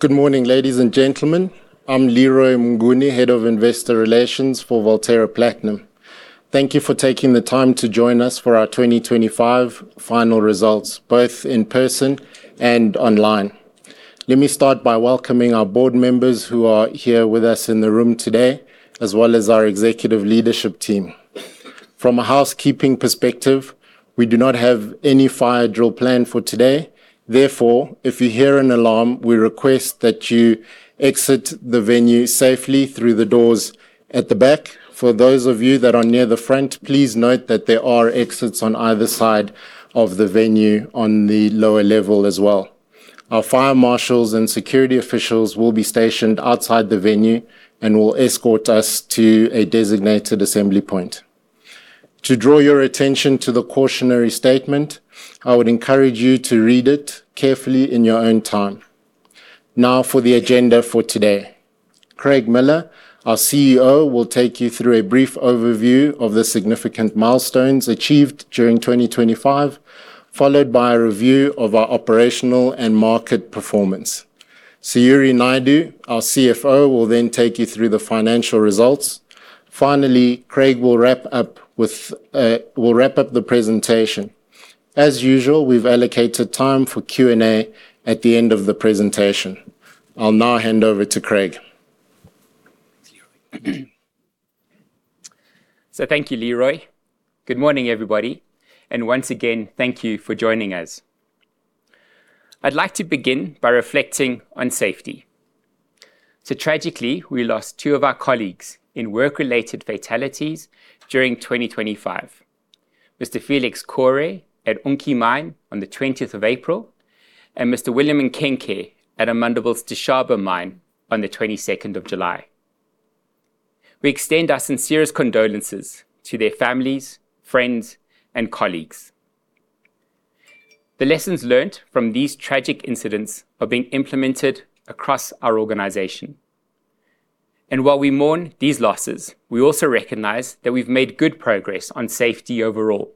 Good morning, ladies and gentlemen. I'm Leroy Mnguni, Head of Investor Relations for Valterra Platinum. Thank you for taking the time to join us for our 2025 final results, both in person and online. Let me start by welcoming our board members who are here with us in the room today, as well as our executive leadership team. From a housekeeping perspective, we do not have any fire drill planned for today. Therefore, if you hear an alarm, we request that you exit the venue safely through the doors at the back. For those of you that are near the front, please note that there are exits on either side of the venue on the lower level as well. Our fire marshals and security officials will be stationed outside the venue and will escort us to a designated assembly point. To draw your attention to the cautionary statement, I would encourage you to read it carefully in your own time. Now, for the agenda for today. Craig Miller, our CEO, will take you through a brief overview of the significant milestones achieved during 2025, followed by a review of our operational and market performance. Sayurie Naidoo, our CFO, will then take you through the financial results. Finally, Craig will wrap up the presentation. As usual, we've allocated time for Q&A at the end of the presentation. I'll now hand over to Craig. Thank you, Leroy. Good morning, everybody, and once again, thank you for joining us. I'd like to begin by reflecting on safety. Tragically, we lost two of our colleagues in work-related fatalities during 2025: Mr. Felix Kore at Unki Mine on the 20th of April, and Mr. William Nkenke at Amandelbult Dishaba Mine on the 22nd of July. We extend our sincerest condolences to their families, friends, and colleagues. The lessons learned from these tragic incidents are being implemented across our organization. While we mourn these losses, we also recognize that we've made good progress on safety overall,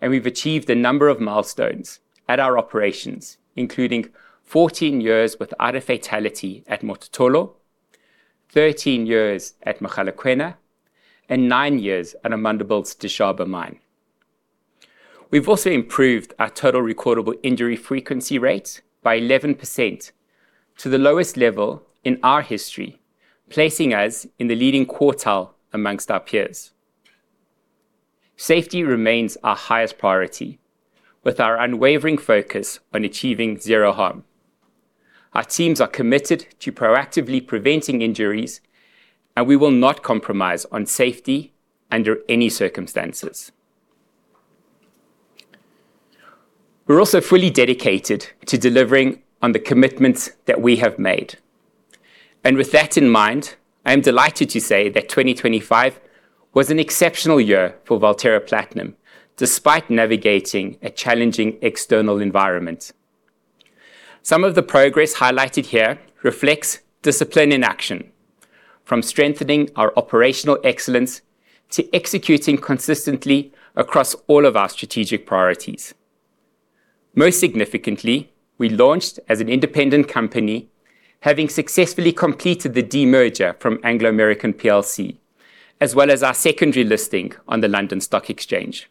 and we've achieved a number of milestones at our operations, including 14 years without a fatality at Mototolo, 13 years at Mogalakwena, and nine years at Amandelbult Dishaba Mine. We've also improved our total recordable injury frequency rate by 11% to the lowest level in our history, placing us in the leading quartile amongst our peers. Safety remains our highest priority, with our unwavering focus on achieving zero harm. Our teams are committed to proactively preventing injuries, and we will not compromise on safety under any circumstances. We're also fully dedicated to delivering on the commitments that we have made. With that in mind, I am delighted to say that 2025 was an exceptional year for Valterra Platinum, despite navigating a challenging external environment. Some of the progress highlighted here reflects discipline in action, from strengthening our operational excellence to executing consistently across all of our strategic priorities. Most significantly, we launched as an independent company, having successfully completed the demerger from Anglo American plc, as well as our secondary listing on the London Stock Exchange.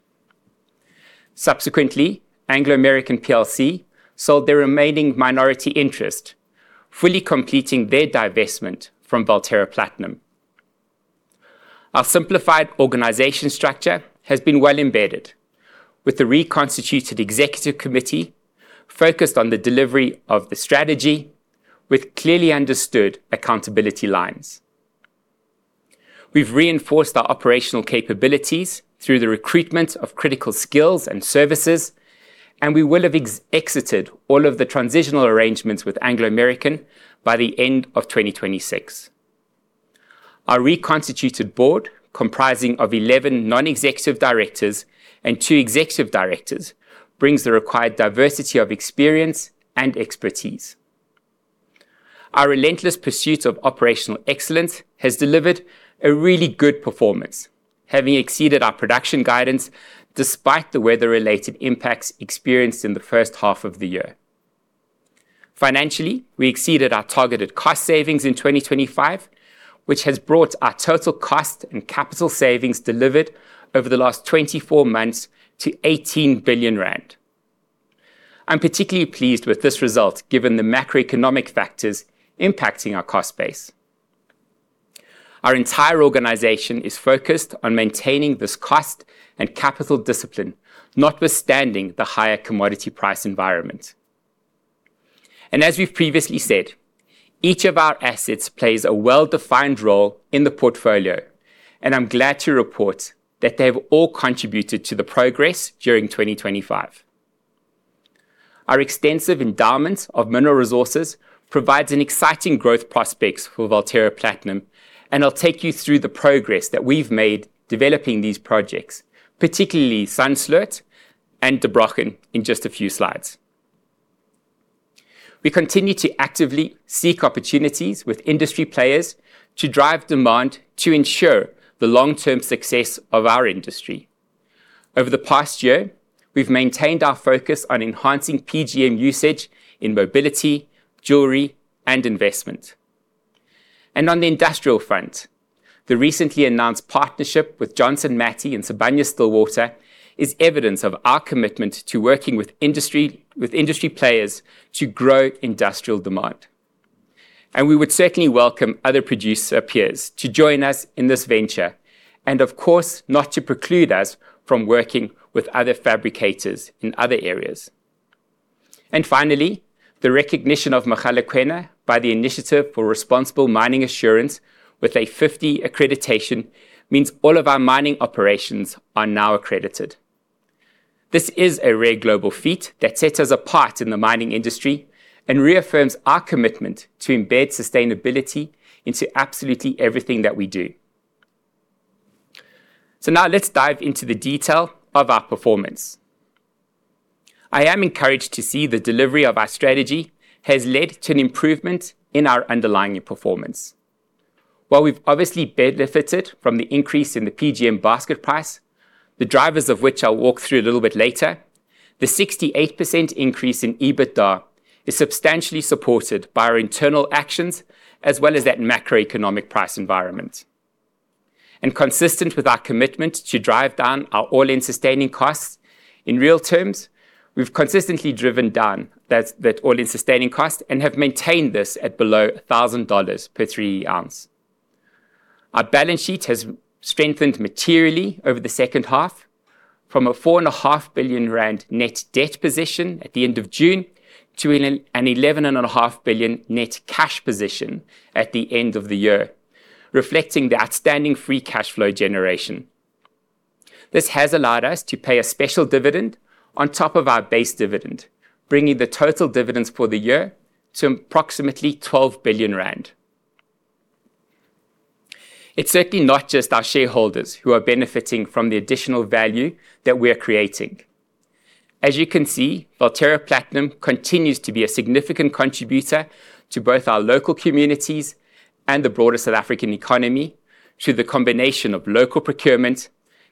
Subsequently, Anglo American plc sold their remaining minority interest, fully completing their divestment from Valterra Platinum. Our simplified organization structure has been well embedded, with the reconstituted executive committee focused on the delivery of the strategy with clearly understood accountability lines. We've reinforced our operational capabilities through the recruitment of critical skills and services, we will have exited all of the transitional arrangements with Anglo American by the end of 2026. Our reconstituted Board, comprising of 11 non-executive directors and two executive directors, brings the required diversity of experience and expertise. Our relentless pursuit of operational excellence has delivered a really good performance, having exceeded our production guidance despite the weather-related impacts experienced in the first half of the year. Financially, we exceeded our targeted cost savings in 2025, which has brought our total cost and capital savings delivered over the last 24 months to 18 billion rand. I'm particularly pleased with this result, given the macroeconomic factors impacting our cost base. Our entire organization is focused on maintaining this cost and capital discipline, notwithstanding the higher commodity price environment. As we've previously said, each of our assets plays a well-defined role in the portfolio, and I'm glad to report that they've all contributed to the progress during 2025. Our extensive endowments of mineral resources provides an exciting growth prospects for Valterra Platinum, and I'll take you through the progress that we've made developing these projects, particularly Sandsloot and Der Brochen, in just a few slides. We continue to actively seek opportunities with industry players to drive demand to ensure the long-term success of our industry. Over the past year, we've maintained our focus on enhancing PGM usage in mobility, jewelry, and investment. On the industrial front, the recently announced partnership with Johnson Matthey Sibanye-Stillwater is evidence of our commitment to working with industry players to grow industrial demand. We would certainly welcome other producer peers to join us in this venture, and of course, not to preclude us from working with other fabricators in other areas. Finally, the recognition of Mogalakwena by the Initiative for Responsible Mining Assurance with a 50 accreditation, means all of our mining operations are now accredited. This is a rare global feat that sets us apart in the mining industry and reaffirms our commitment to embed sustainability into absolutely everything that we do. Now let's dive into the detail of our performance. I am encouraged to see the delivery of our strategy has led to an improvement in our underlying performance. While we've obviously benefited from the increase in the PGM basket price, the drivers of which I'll walk through a little bit later, the 68% increase in EBITDA is substantially supported by our internal actions, as well as that macroeconomic price environment. Consistent with our commitment to drive down the all-in sustaining costs, in real terms, we've consistently driven down that all-in sustaining cost and have maintained this at below $1,000 per 3E oz. Our balance sheet has strengthened materially over the second half, from a 4.5 billion rand net debt position at the end of June to an 11.5 billion net cash position at the end of the year, reflecting the outstanding free cash flow generation. This has allowed us to pay a special dividend on top of our base dividend, bringing the total dividends for the year to approximately 12 billion rand. It's certainly not just our shareholders who are benefiting from the additional value that we are creating. As you can see, Valterra Platinum continues to be a significant contributor to both our local communities and the broader South African economy, through the combination of local procurement,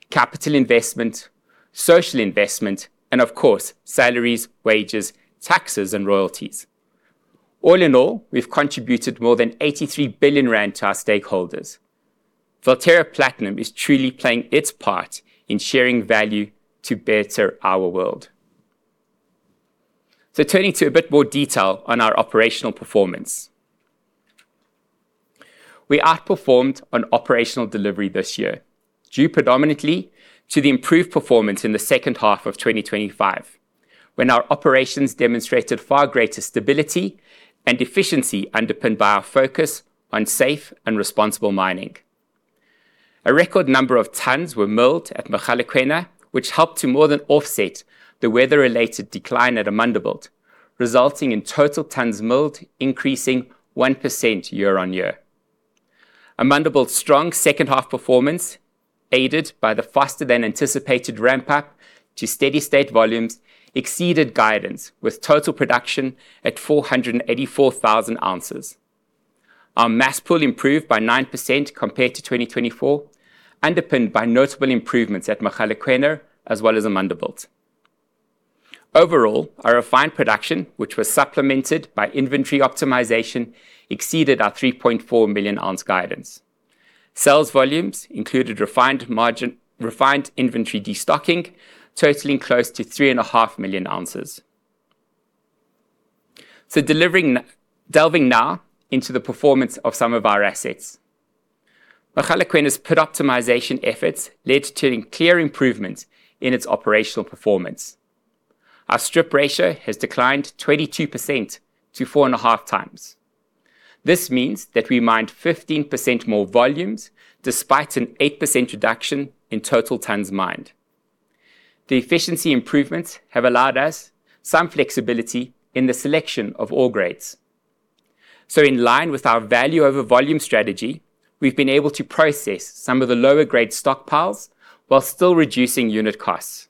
capital investment, social investment, and of course, salaries, wages, taxes, and royalties. All in all, we've contributed more than 83 billion rand to our stakeholders. Valterra Platinum is truly playing its part in sharing value to better our world. Turning to a bit more detail on our operational performance. We outperformed on operational delivery this year, due predominantly to the improved performance in the second half of 2025, when our operations demonstrated far greater stability and efficiency, underpinned by our focus on safe and responsible mining. A record number of tonnes were milled at Mogalakwena, which helped to more than offset the weather-related decline at Amandelbult, resulting in total tonnes milled, increasing 1% year-on-year. Amandelbult's strong second half performance, aided by the faster than anticipated ramp-up to steady state volumes, exceeded guidance, with total production at 484,000 oz. Our mass pull improved by 9% compared to 2024, underpinned by notable improvements at Mogalakwena as well as Amandelbult. Overall, our refined production, which was supplemented by inventory optimization, exceeded our 3.4 million ounce guidance. Sales volumes included refined inventory destocking, totaling close to 3.5 million ounces. Delving now into the performance of some of our assets. Mogalakwena's pit optimization efforts led to clear improvements in its operational performance. Our strip ratio has declined 22% to 4.5x. This means that we mined 15% more volumes, despite an 8% reduction in total tonnes mined. The efficiency improvements have allowed us some flexibility in the selection of ore grades. In line with our value over volume strategy, we've been able to process some of the lower grade stockpiles while still reducing unit costs.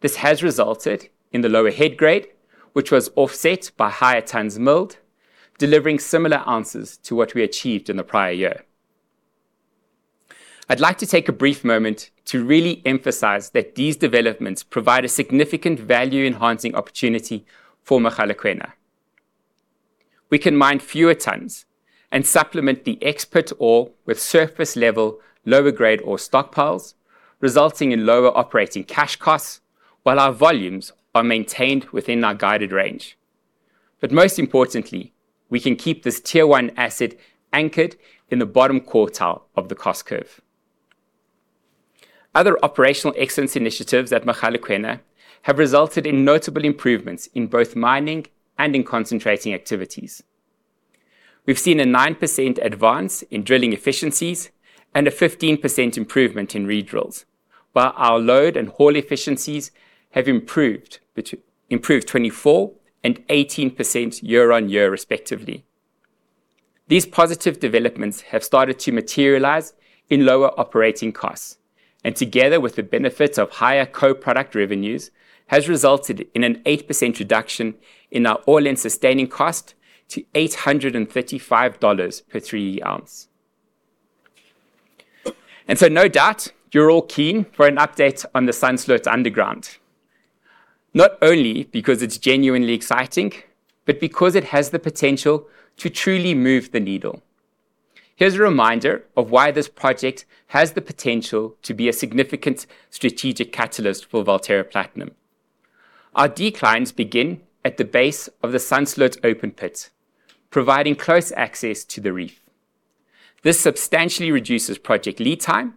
This has resulted in the lower head grade, which was offset by higher tonnes milled, delivering similar ounces to what we achieved in the prior year. I'd like to take a brief moment to really emphasize that these developments provide a significant value-enhancing opportunity for Mogalakwena. We can mine fewer tonnes and supplement the expert ore with surface-level, lower grade ore stockpiles, resulting in lower operating cash costs, while our volumes are maintained within our guided range. Most importantly, we can keep this tier one asset anchored in the bottom quartile of the cost curve. Other operational excellence initiatives at Mogalakwena have resulted in notable improvements in both mining and in concentrating activities. We've seen a 9% advance in drilling efficiencies and a 15% improvement in re-drills, while our load and haul efficiencies have improved 24% and 18% year-on-year, respectively. These positive developments have started to materialize in lower operating costs, and together with the benefits of higher co-product revenues, has resulted in an 8% reduction in our all-in sustaining cost to $835 per 3E oz. No doubt, you're all keen for an update on the Sandsloot underground. Not only because it's genuinely exciting, but because it has the potential to truly move the needle. Here's a reminder of why this project has the potential to be a significant strategic catalyst for Valterra Platinum. Our declines begin at the base of the Sandsloot open pit, providing close access to the reef. This substantially reduces project lead time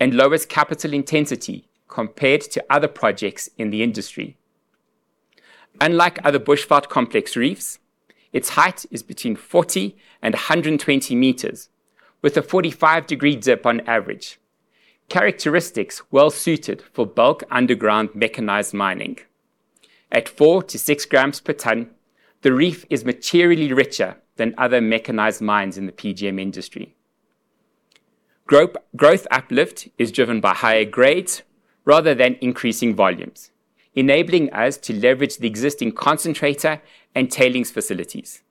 and lowers capital intensity compared to other projects in the industry. Unlike other Bushveld Complex reefs, its height is between 40 m and 120 m, with a 45-degree dip on average. Characteristics well suited for bulk underground mechanized mining. At 4 g-6 g per tonne, the reef is materially richer than other mechanized mines in the PGM industry. Growth uplift is driven by higher grades rather than increasing volumes, enabling us to leverage the existing concentrator and tailings facilities.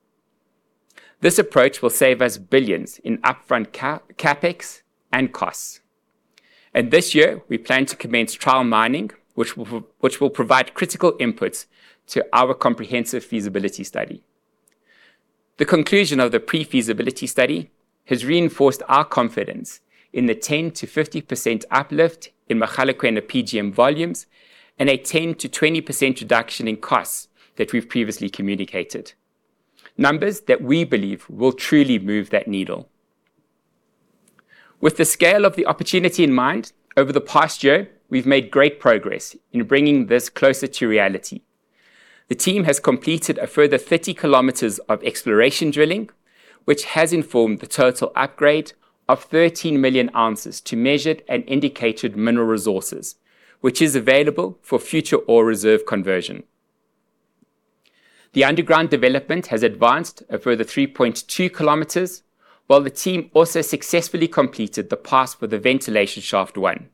This approach will save us billions in upfront CapEx and costs. This year, we plan to commence trial mining, which will provide critical input to our comprehensive feasibility study. The conclusion of the pre-feasibility study has reinforced our confidence in the 10%-50% uplift in Mogalakwena PGM volumes, and a 10%-20% reduction in costs that we've previously communicated, numbers that we believe will truly move that needle. With the scale of the opportunity in mind, over the past year, we've made great progress in bringing this closer to reality. The team has completed a further 30 km of exploration drilling, which has informed the total upgrade of 13 million ounces to Measured and Indicated Mineral Resources, which is available for future Ore Reserve conversion. The underground development has advanced a further 3.2 km, while the team also successfully completed the pass for the ventilation shaft one.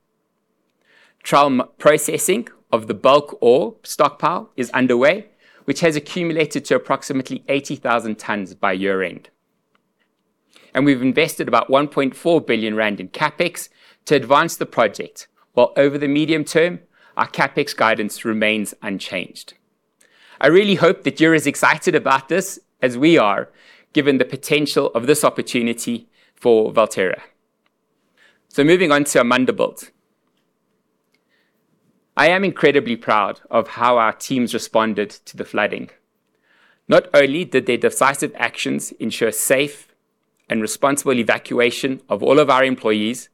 Trial processing of the bulk ore stockpile is underway, which has accumulated to approximately 80,000 tonnes by year-end. We've invested about 1.4 billion rand in CapEx to advance the project, while over the medium term, our CapEx guidance remains unchanged. I really hope that you're as excited about this as we are, given the potential of this opportunity for Valterra. Moving on to Amandelbult. I am incredibly proud of how our teams responded to the flooding. Not only did their decisive actions ensure safe and responsible evacuation of all of our employees,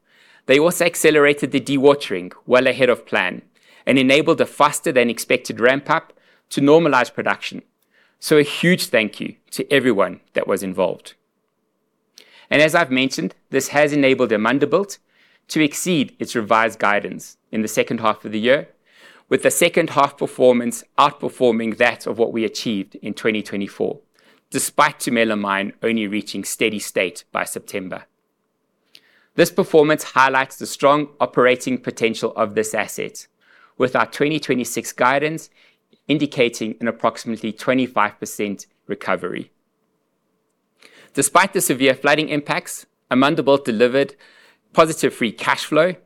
they also accelerated the dewatering well ahead of plan and enabled a faster than expected ramp-up to normalize production. A huge thank you to everyone that was involved. As I've mentioned, this has enabled Amandelbult to exceed its revised guidance in the second half of the year, with the second half performance outperforming that of what we achieved in 2024, despite Tumela Mine only reaching steady state by September. This performance highlights the strong operating potential of this asset, with our 2026 guidance indicating an approximately 25% recovery. Despite the severe flooding impacts, Amandelbult delivered positive free cash flow,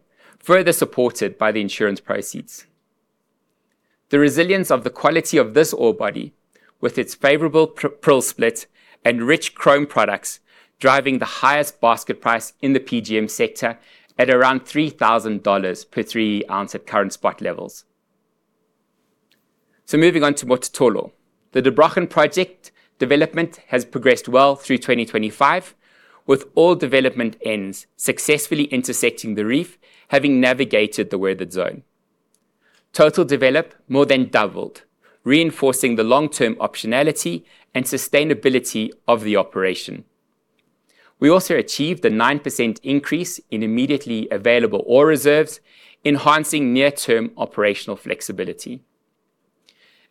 further supported by the insurance proceeds. The resilience of the quality of this ore body, with its favorable prill split and rich chrome products, driving the highest basket price in the PGM sector at around $3,000 per 3E oz at current spot levels. Moving on to Mototolo. The Der Brochen project development has progressed well through 2025, with all development ends successfully intersecting the reef, having navigated the weathered zone. Total develop more than doubled, reinforcing the long-term optionality and sustainability of the operation. We also achieved a 9% increase in immediately available ore reserves, enhancing near-term operational flexibility.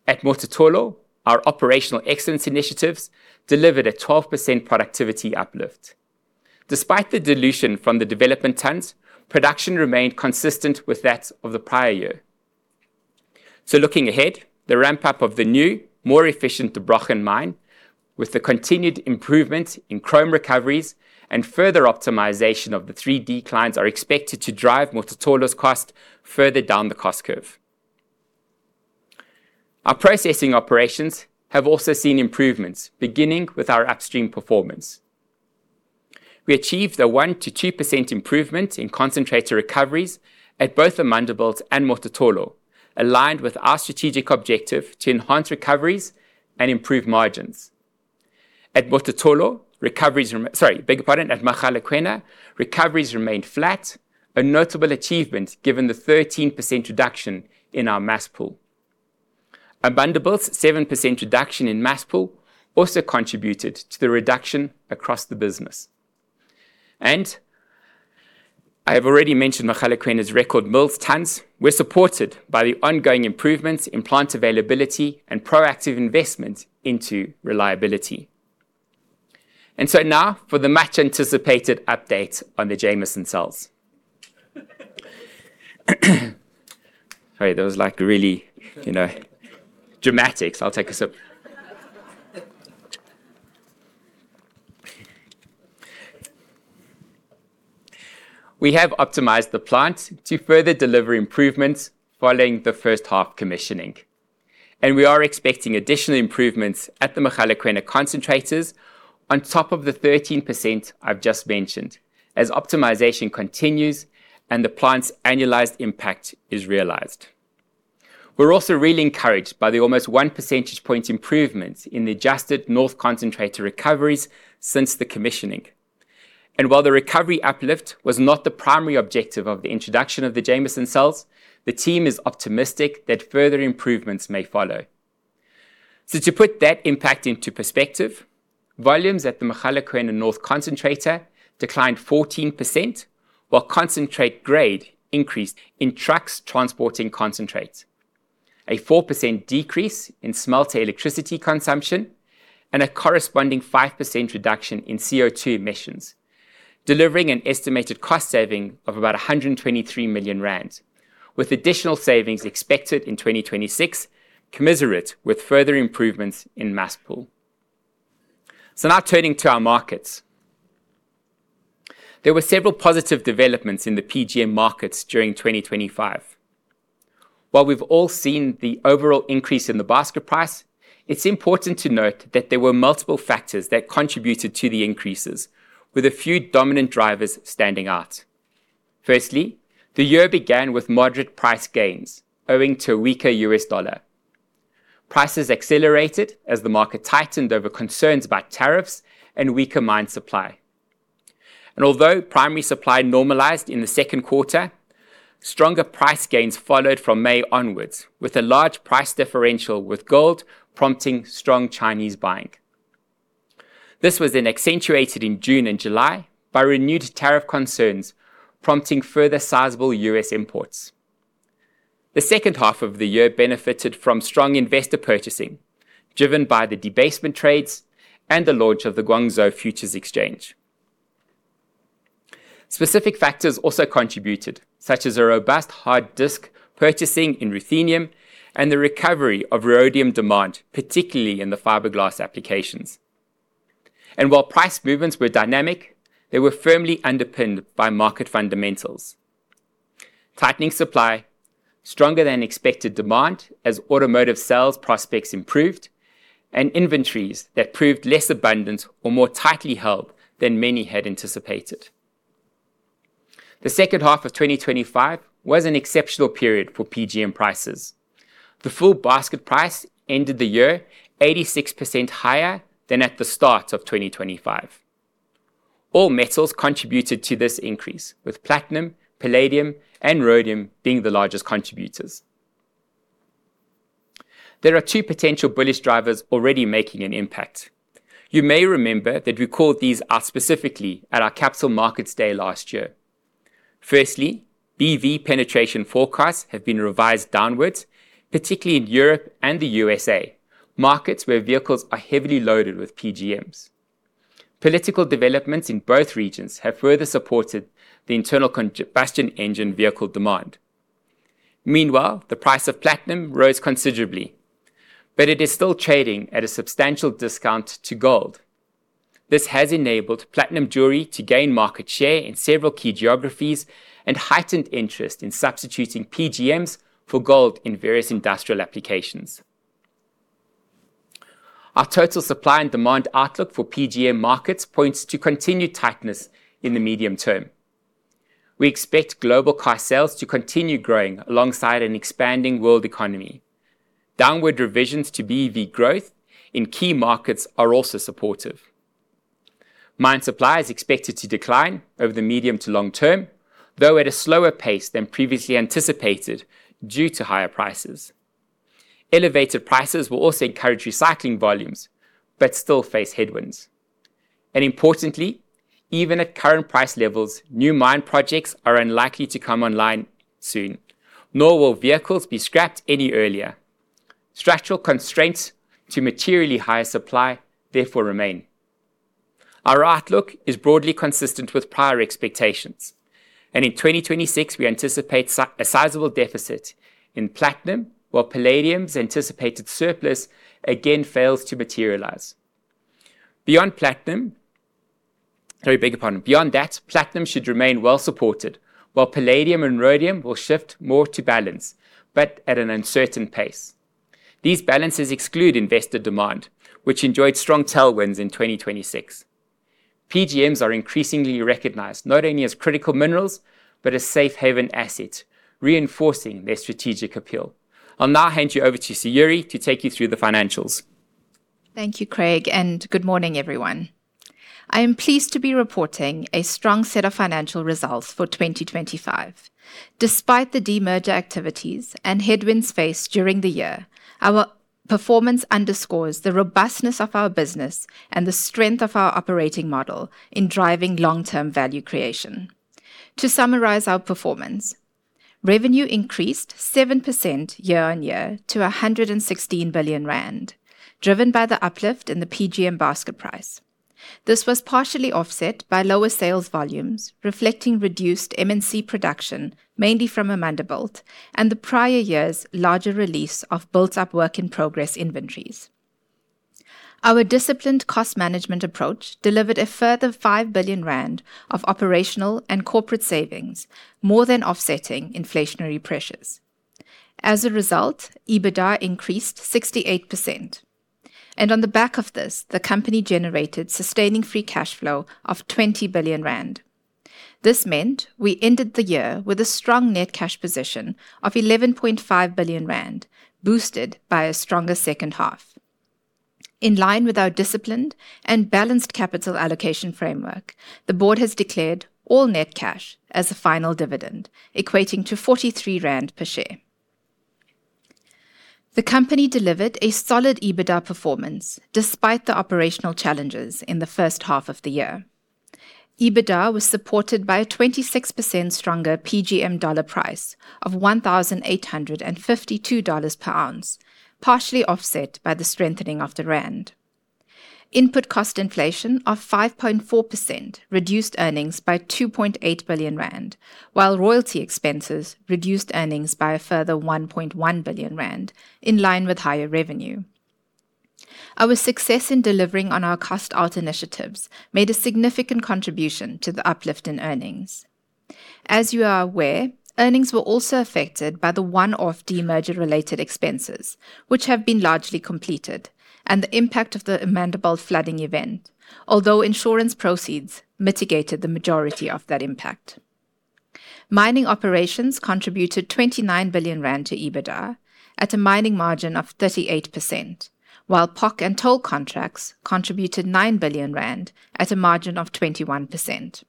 At Mototolo, our operational excellence initiatives delivered a 12% productivity uplift. Despite the dilution from the development tonnes, production remained consistent with that of the prior year. Looking ahead, the ramp-up of the new, more efficient Der Brochen mine, with the continued improvement in chrome recoveries and further optimization of the three declines, are expected to drive Mototolo's cost further down the cost curve. Our Processing operations have also seen improvements, beginning with our upstream performance. We achieved a 1%-2% improvement in concentrator recoveries at both Amandelbult and Mototolo, aligned with our strategic objective to enhance recoveries and improve margins. At Mototolo, recoveries. At Mogalakwena, recoveries remained flat, a notable achievement given the 13% reduction in our mass pull. Amandelbult's 7% reduction in mass pull also contributed to the reduction across the business. I have already mentioned Mogalakwena's record milled tonnes, were supported by the ongoing improvements in plant availability and proactive investment into reliability. Now for the much-anticipated update on the Jameson Cells. Sorry, that was, like, really, you know, dramatic, so I'll take a sip. We have optimized the plant to further deliver improvements following the first half commissioning, and we are expecting additional improvements at the Mogalakwena concentrators on top of the 13% I've just mentioned, as optimization continues and the plant's annualized impact is realized. We're also really encouraged by the almost 1 percentage point improvements in the adjusted North concentrator recoveries since the commissioning. While the recovery uplift was not the primary objective of the introduction of the Jameson Cells, the team is optimistic that further improvements may follow. To put that impact into perspective, volumes at the Mogalakwena North concentrator declined 14%, while concentrate grade increased in trucks transporting concentrates. A 4% decrease in smelter electricity consumption, and a corresponding 5% reduction in CO2 emissions, delivering an estimated cost saving of about 123 million rand, with additional savings expected in 2026, commiserate with further improvements in mass pull. Now turning to our markets. There were several positive developments in the PGM markets during 2025. While we've all seen the overall increase in the basket price, it's important to note that there were multiple factors that contributed to the increases, with a few dominant drivers standing out. Firstly, the year began with moderate price gains owing to a weaker U.S. dollar. Prices accelerated as the market tightened over concerns about tariffs and weaker mine supply. Although primary supply normalized in the second quarter, stronger price gains followed from May onwards, with a large price differential, with gold prompting strong Chinese buying. This was then accentuated in June and July by renewed tariff concerns, prompting further sizable U.S. imports. The second half of the year benefited from strong investor purchasing, driven by the debasement trades and the launch of the Guangzhou Futures Exchange. Specific factors also contributed, such as a robust hard disk purchasing in ruthenium and the recovery of rhodium demand, particularly in the fiberglass applications. While price movements were dynamic, they were firmly underpinned by market fundamentals: tightening supply, stronger than expected demand as automotive sales prospects improved, and inventories that proved less abundant or more tightly held than many had anticipated. The second half of 2025 was an exceptional period for PGM prices. The full basket price ended the year 86% higher than at the start of 2025. All metals contributed to this increase, with platinum, palladium, and rhodium being the largest contributors. There are two potential bullish drivers already making an impact. You may remember that we called these out specifically at our Capital Markets Day last year. Firstly, BEV penetration forecasts have been revised downwards, particularly in Europe and the USA, markets where vehicles are heavily loaded with PGMs. Political developments in both regions have further supported the internal combustion engine vehicle demand. The price of platinum rose considerably, but it is still trading at a substantial discount to gold. This has enabled platinum jewelry to gain market share in several key geographies and heightened interest in substituting PGMs for gold in various industrial applications. Our total supply and demand outlook for PGM markets points to continued tightness in the medium term. We expect global car sales to continue growing alongside an expanding world economy. Downward revisions to BEV growth in key markets are also supportive. Mine supply is expected to decline over the medium to long term, though at a slower pace than previously anticipated due to higher prices. Elevated prices will also encourage recycling volumes, but still face headwinds. Importantly, even at current price levels, new mine projects are unlikely to come online soon, nor will vehicles be scrapped any earlier. Structural constraints to materially higher supply, therefore, remain. Our outlook is broadly consistent with prior expectations. In 2026, we anticipate a sizable deficit in platinum, while palladium's anticipated surplus again fails to materialize. Sorry, beg your pardon. Beyond that, platinum should remain well supported, while palladium and rhodium will shift more to balance, but at an uncertain pace. These balances exclude investor demand, which enjoyed strong tailwinds in 2026. PGMs are increasingly recognized not only as critical minerals, but a safe haven asset, reinforcing their strategic appeal. I'll now hand you over to Sayurie to take you through the financials. Thank you, Craig. Good morning, everyone. I am pleased to be reporting a strong set of financial results for 2025. Despite the de-merger activities and headwinds faced during the year, our performance underscores the robustness of our business and the strength of our operating model in driving long-term value creation. To summarize our performance, revenue increased 7% year-over-year to 116 billion rand, driven by the uplift in the PGM basket price. This was partially offset by lower sales volumes, reflecting reduced M&C production, mainly from Amandelbult, and the prior year's larger release of built-up work in progress inventories. Our disciplined cost management approach delivered a further 5 billion rand of operational and corporate savings, more than offsetting inflationary pressures. As a result, EBITDA increased 68%. On the back of this, the company generated sustaining free cash flow of 20 billion rand. This meant we ended the year with a strong net cash position of 11.5 billion rand, boosted by a stronger second half. In line with our disciplined and balanced capital allocation framework, the Board has declared all net cash as a final dividend, equating to 43 rand per share. The company delivered a solid EBITDA performance despite the operational challenges in the first half of the year. EBITDA was supported by a 26% stronger PGM dollar price of $1,852/oz, partially offset by the strengthening of the rand. Input cost inflation of 5.4% reduced earnings by 2.8 billion rand, while royalty expenses reduced earnings by a further 1.1 billion rand, in line with higher revenue. Our success in delivering on our cost out initiatives made a significant contribution to the uplift in earnings. As you are aware, earnings were also affected by the one-off demerger-related expenses, which have been largely completed, and the impact of the Amandelbult flooding event, although insurance proceeds mitigated the majority of that impact. Mining Operations contributed 29 billion rand to EBITDA at a mining margin of 38%, while POC and toll contracts contributed 9 billion rand at a margin of 21%.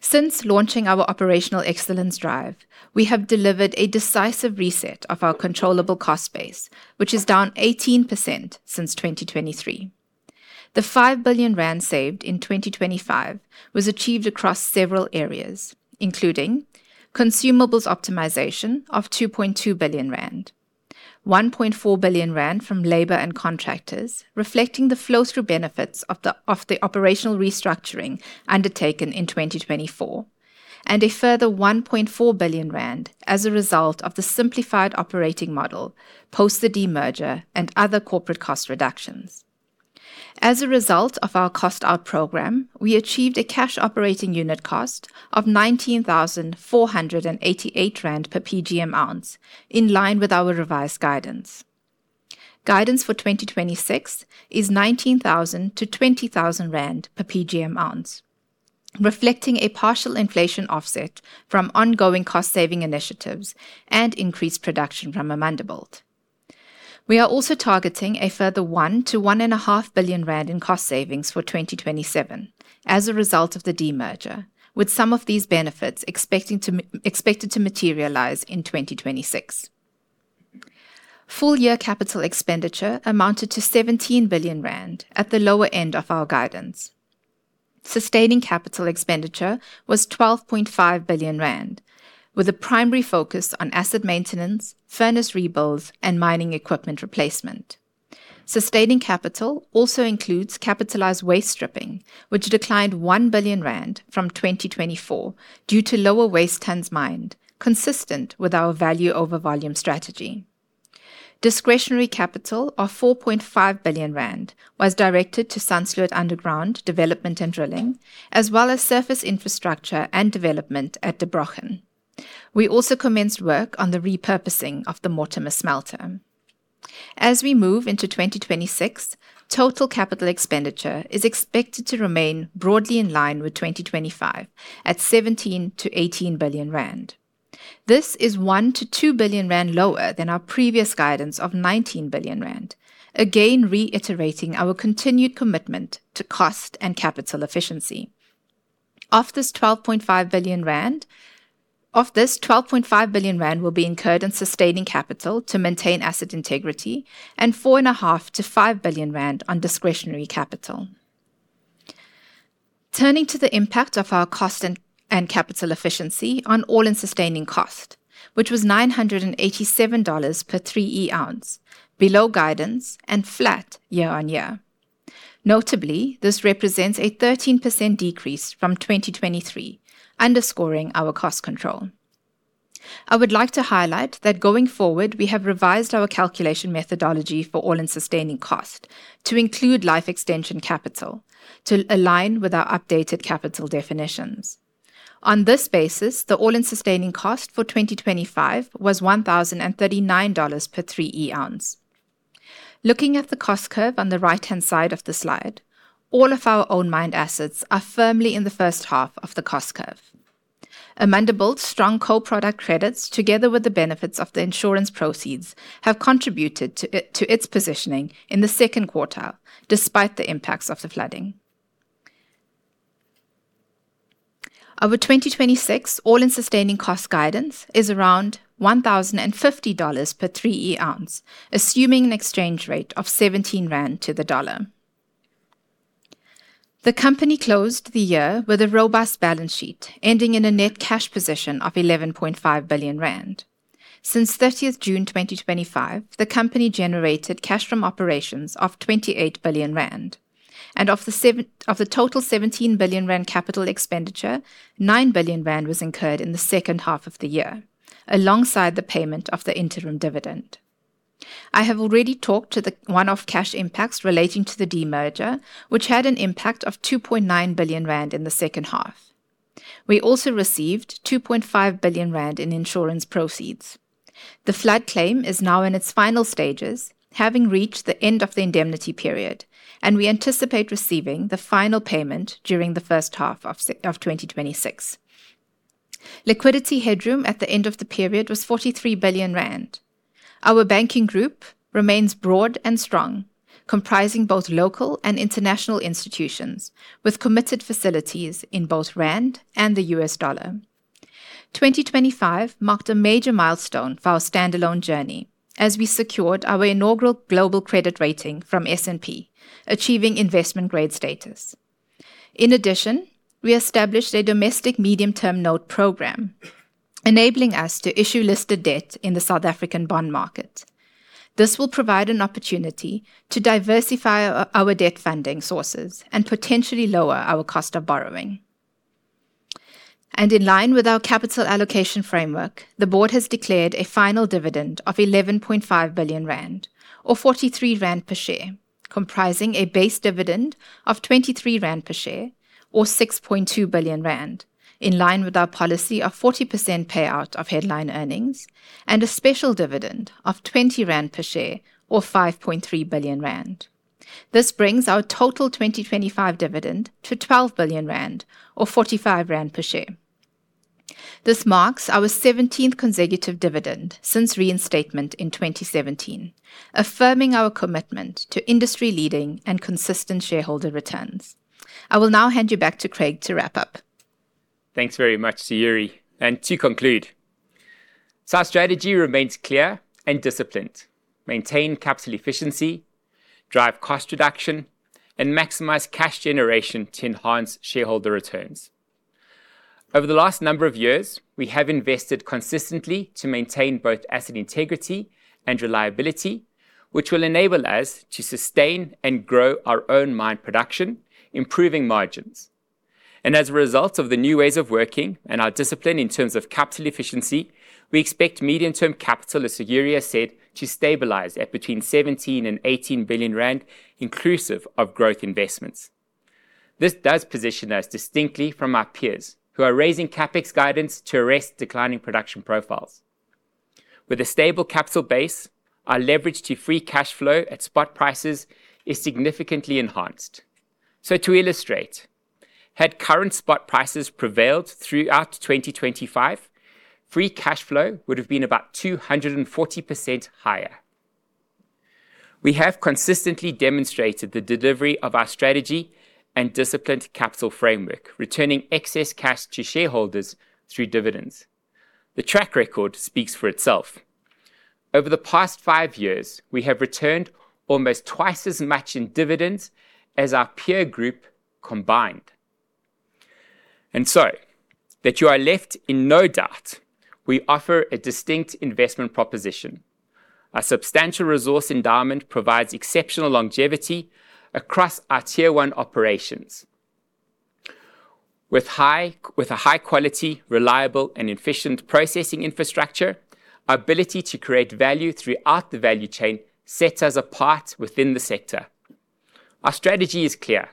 Since launching our operational excellence drive, we have delivered a decisive reset of our controllable cost base, which is down 18% since 2023. The 5 billion rand saved in 2025 was achieved across several areas, including consumables optimization of 2.2 billion rand, 1.4 billion rand from labor and contractors, reflecting the flow-through benefits of the operational restructuring undertaken in 2024, and a further 1.4 billion rand as a result of the simplified operating model post the demerger and other corporate cost reductions. As a result of our cost out program, we achieved a cash operating unit cost of 19,488 rand per PGM ounce, in line with our revised guidance. Guidance for 2026 is 19,000-20,000 rand per PGM ounce, reflecting a partial inflation offset from ongoing cost-saving initiatives and increased production from Amandelbult. We are also targeting a further 1 billion-1.5 billion rand in cost savings for 2027 as a result of the demerger, with some of these benefits expected to materialize in 2026. Full year CapEx amounted to 17 billion rand at the lower end of our guidance. Sustaining CapEx was 12.5 billion rand, with a primary focus on asset maintenance, furnace rebuilds, and mining equipment replacement. Sustaining capital also includes capitalized waste stripping, which declined 1 billion rand from 2024 due to lower waste tonnes mined, consistent with our value over volume strategy. Discretionary capital of 4.5 billion rand was directed to Sandsloot underground development and drilling, as well as surface infrastructure and development at Der Brochen. We also commenced work on the repurposing of the Mortimer smelter. As we move into 2026, total capital expenditure is expected to remain broadly in line with 2025, at 17 billion-18 billion rand. This is 1 billion-2 billion rand lower than our previous guidance of 19 billion rand, again, reiterating our continued commitment to cost and capital efficiency. Of this, 12.5 billion rand will be incurred in sustaining capital to maintain asset integrity and 4.5 billion-5 billion rand on discretionary capital. Turning to the impact of our cost and capital efficiency on all-in sustaining cost, which was $987 per 3E oz, below guidance and flat year-over-year. Notably, this represents a 13% decrease from 2023, underscoring our cost control. I would like to highlight that going forward, we have revised our calculation methodology for all-in sustaining cost to include life extension capital to align with our updated capital definitions. On this basis, the all-in sustaining cost for 2025 was $1,039 per 3E oz. Looking at the cost curve on the right-hand side of the slide, all of our own mined assets are firmly in the first half of the cost curve. Amandelbult's strong co-product credits, together with the benefits of the insurance proceeds, have contributed to its positioning in the second quarter, despite the impacts of the flooding. Our 2026 all-in sustaining cost guidance is around $1,050 per 3E oz, assuming an exchange rate of 17 rand to the dollar. The company closed the year with a robust balance sheet, ending in a net cash position of 11.5 billion rand. Since 30th June 2025, the company generated cash from operations of 28 billion rand, of the total 17 billion rand CapEx, 9 billion rand was incurred in the second half of the year, alongside the payment of the interim dividend. I have already talked to the one-off cash impacts relating to the demerger, which had an impact of 2.9 billion rand in the second half. We also received 2.5 billion rand in insurance proceeds. The flood claim is now in its final stages, having reached the end of the indemnity period, we anticipate receiving the final payment during the first half of 2026. Liquidity headroom at the end of the period was 43 billion rand. Our banking group remains broad and strong, comprising both local and international institutions, with committed facilities in both rand and the U.S. dollar. 2025 marked a major milestone for our standalone journey as we secured our inaugural global credit rating from S&P, achieving investment grade status. In addition, we established a Domestic Medium-Term Note Programme, enabling us to issue listed debt in the South African bond market. This will provide an opportunity to diversify our debt funding sources and potentially lower our cost of borrowing. In line with our capital allocation framework, the Board has declared a final dividend of 11.5 billion rand, or 43 rand per share, comprising a base dividend of 23 rand per share or 6.2 billion rand, in line with our policy of 40% payout of headline earnings, and a special dividend of 20 rand per share, or 5.3 billion rand. This brings our total 2025 dividend to 12 billion rand or 45 rand per share. This marks our 17th consecutive dividend since reinstatement in 2017, affirming our commitment to industry-leading and consistent shareholder returns. I will now hand you back to Craig to wrap up. Thanks very much to Sayurie. To conclude, our strategy remains clear and disciplined: maintain capital efficiency, drive cost reduction, and maximize cash generation to enhance shareholder returns. Over the last number of years, we have invested consistently to maintain both asset integrity and reliability, which will enable us to sustain and grow our own mine production, improving margins. As a result of the new ways of working and our discipline in terms of capital efficiency, we expect medium-term capital, as Sayurie has said, to stabilize at between 17 billion and 18 billion rand, inclusive of growth investments. This does position us distinctly from our peers, who are raising CapEx guidance to arrest declining production profiles. With a stable capital base, our leverage to free cash flow at spot prices is significantly enhanced. To illustrate, had current spot prices prevailed throughout 2025, free cash flow would have been about 240% higher. We have consistently demonstrated the delivery of our strategy and disciplined capital framework, returning excess cash to shareholders through dividends. The track record speaks for itself. Over the past five years, we have returned almost twice as much in dividends as our peer group combined. That you are left in no doubt, we offer a distinct investment proposition. A substantial resource endowment provides exceptional longevity across our Tier 1 operations. With a high quality, reliable, and efficient Processing infrastructure, our ability to create value throughout the value chain sets us apart within the sector. Our strategy is clear.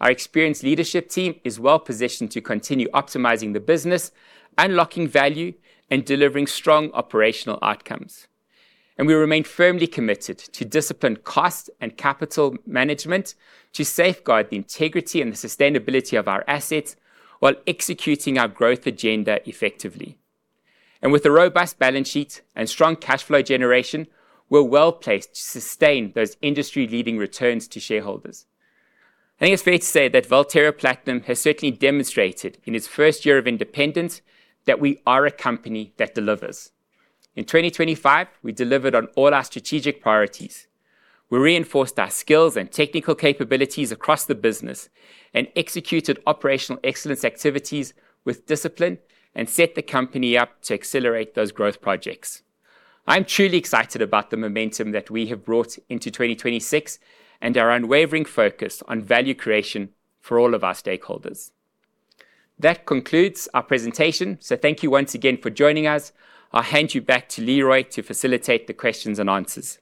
Our experienced leadership team is well positioned to continue optimizing the business, unlocking value, and delivering strong operational outcomes. We remain firmly committed to disciplined cost and capital management to safeguard the integrity and the sustainability of our assets while executing our growth agenda effectively. With a robust balance sheet and strong cash flow generation, we're well-placed to sustain those industry-leading returns to shareholders. I think it's fair to say that Valterra Platinum has certainly demonstrated in its first year of independence that we are a company that delivers. In 2025, we delivered on all our strategic priorities. We reinforced our skills and technical capabilities across the business and executed operational excellence activities with discipline and set the company up to accelerate those growth projects. I'm truly excited about the momentum that we have brought into 2026 and our unwavering focus on value creation for all of our stakeholders. That concludes our presentation, so thank you once again for joining us. I'll hand you back to Leroy to facilitate the questions and answers.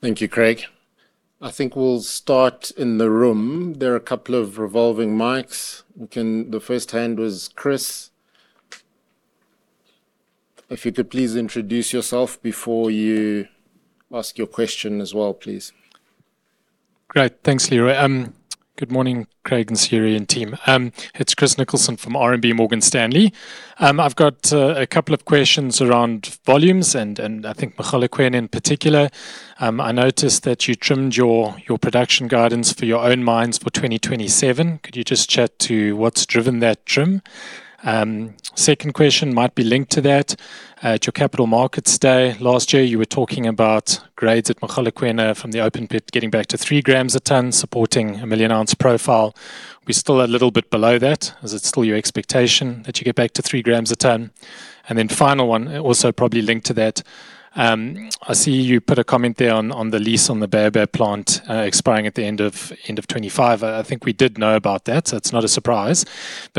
Thank you, Craig. I think we'll start in the room. There are a couple of revolving mics. The first hand was Chris. If you could please introduce yourself before you ask your question as well, please. Great. Thanks, Leroy. Good morning, Craig, and Sayurie, and team. It's Chris Nicholson from RMB Morgan Stanley. I've got a couple of questions around volumes and I think Mogalakwena in particular. I noticed that you trimmed your production guidance for your own mines for 2027. Could you just chat to what's driven that trim? Second question might be linked to that. At your capital markets day last year, you were talking about grades at Mogalakwena from the open pit getting back to three grammes a tonne, supporting a million-ounce profile. We're still a little bit below that. Is it still your expectation that you get back to three grams a tonne? Final one, also probably linked to that, I see you put a comment there on the lease on the Baobab plant expiring at the end of 2025. I think we did know about that, so it is not a surprise.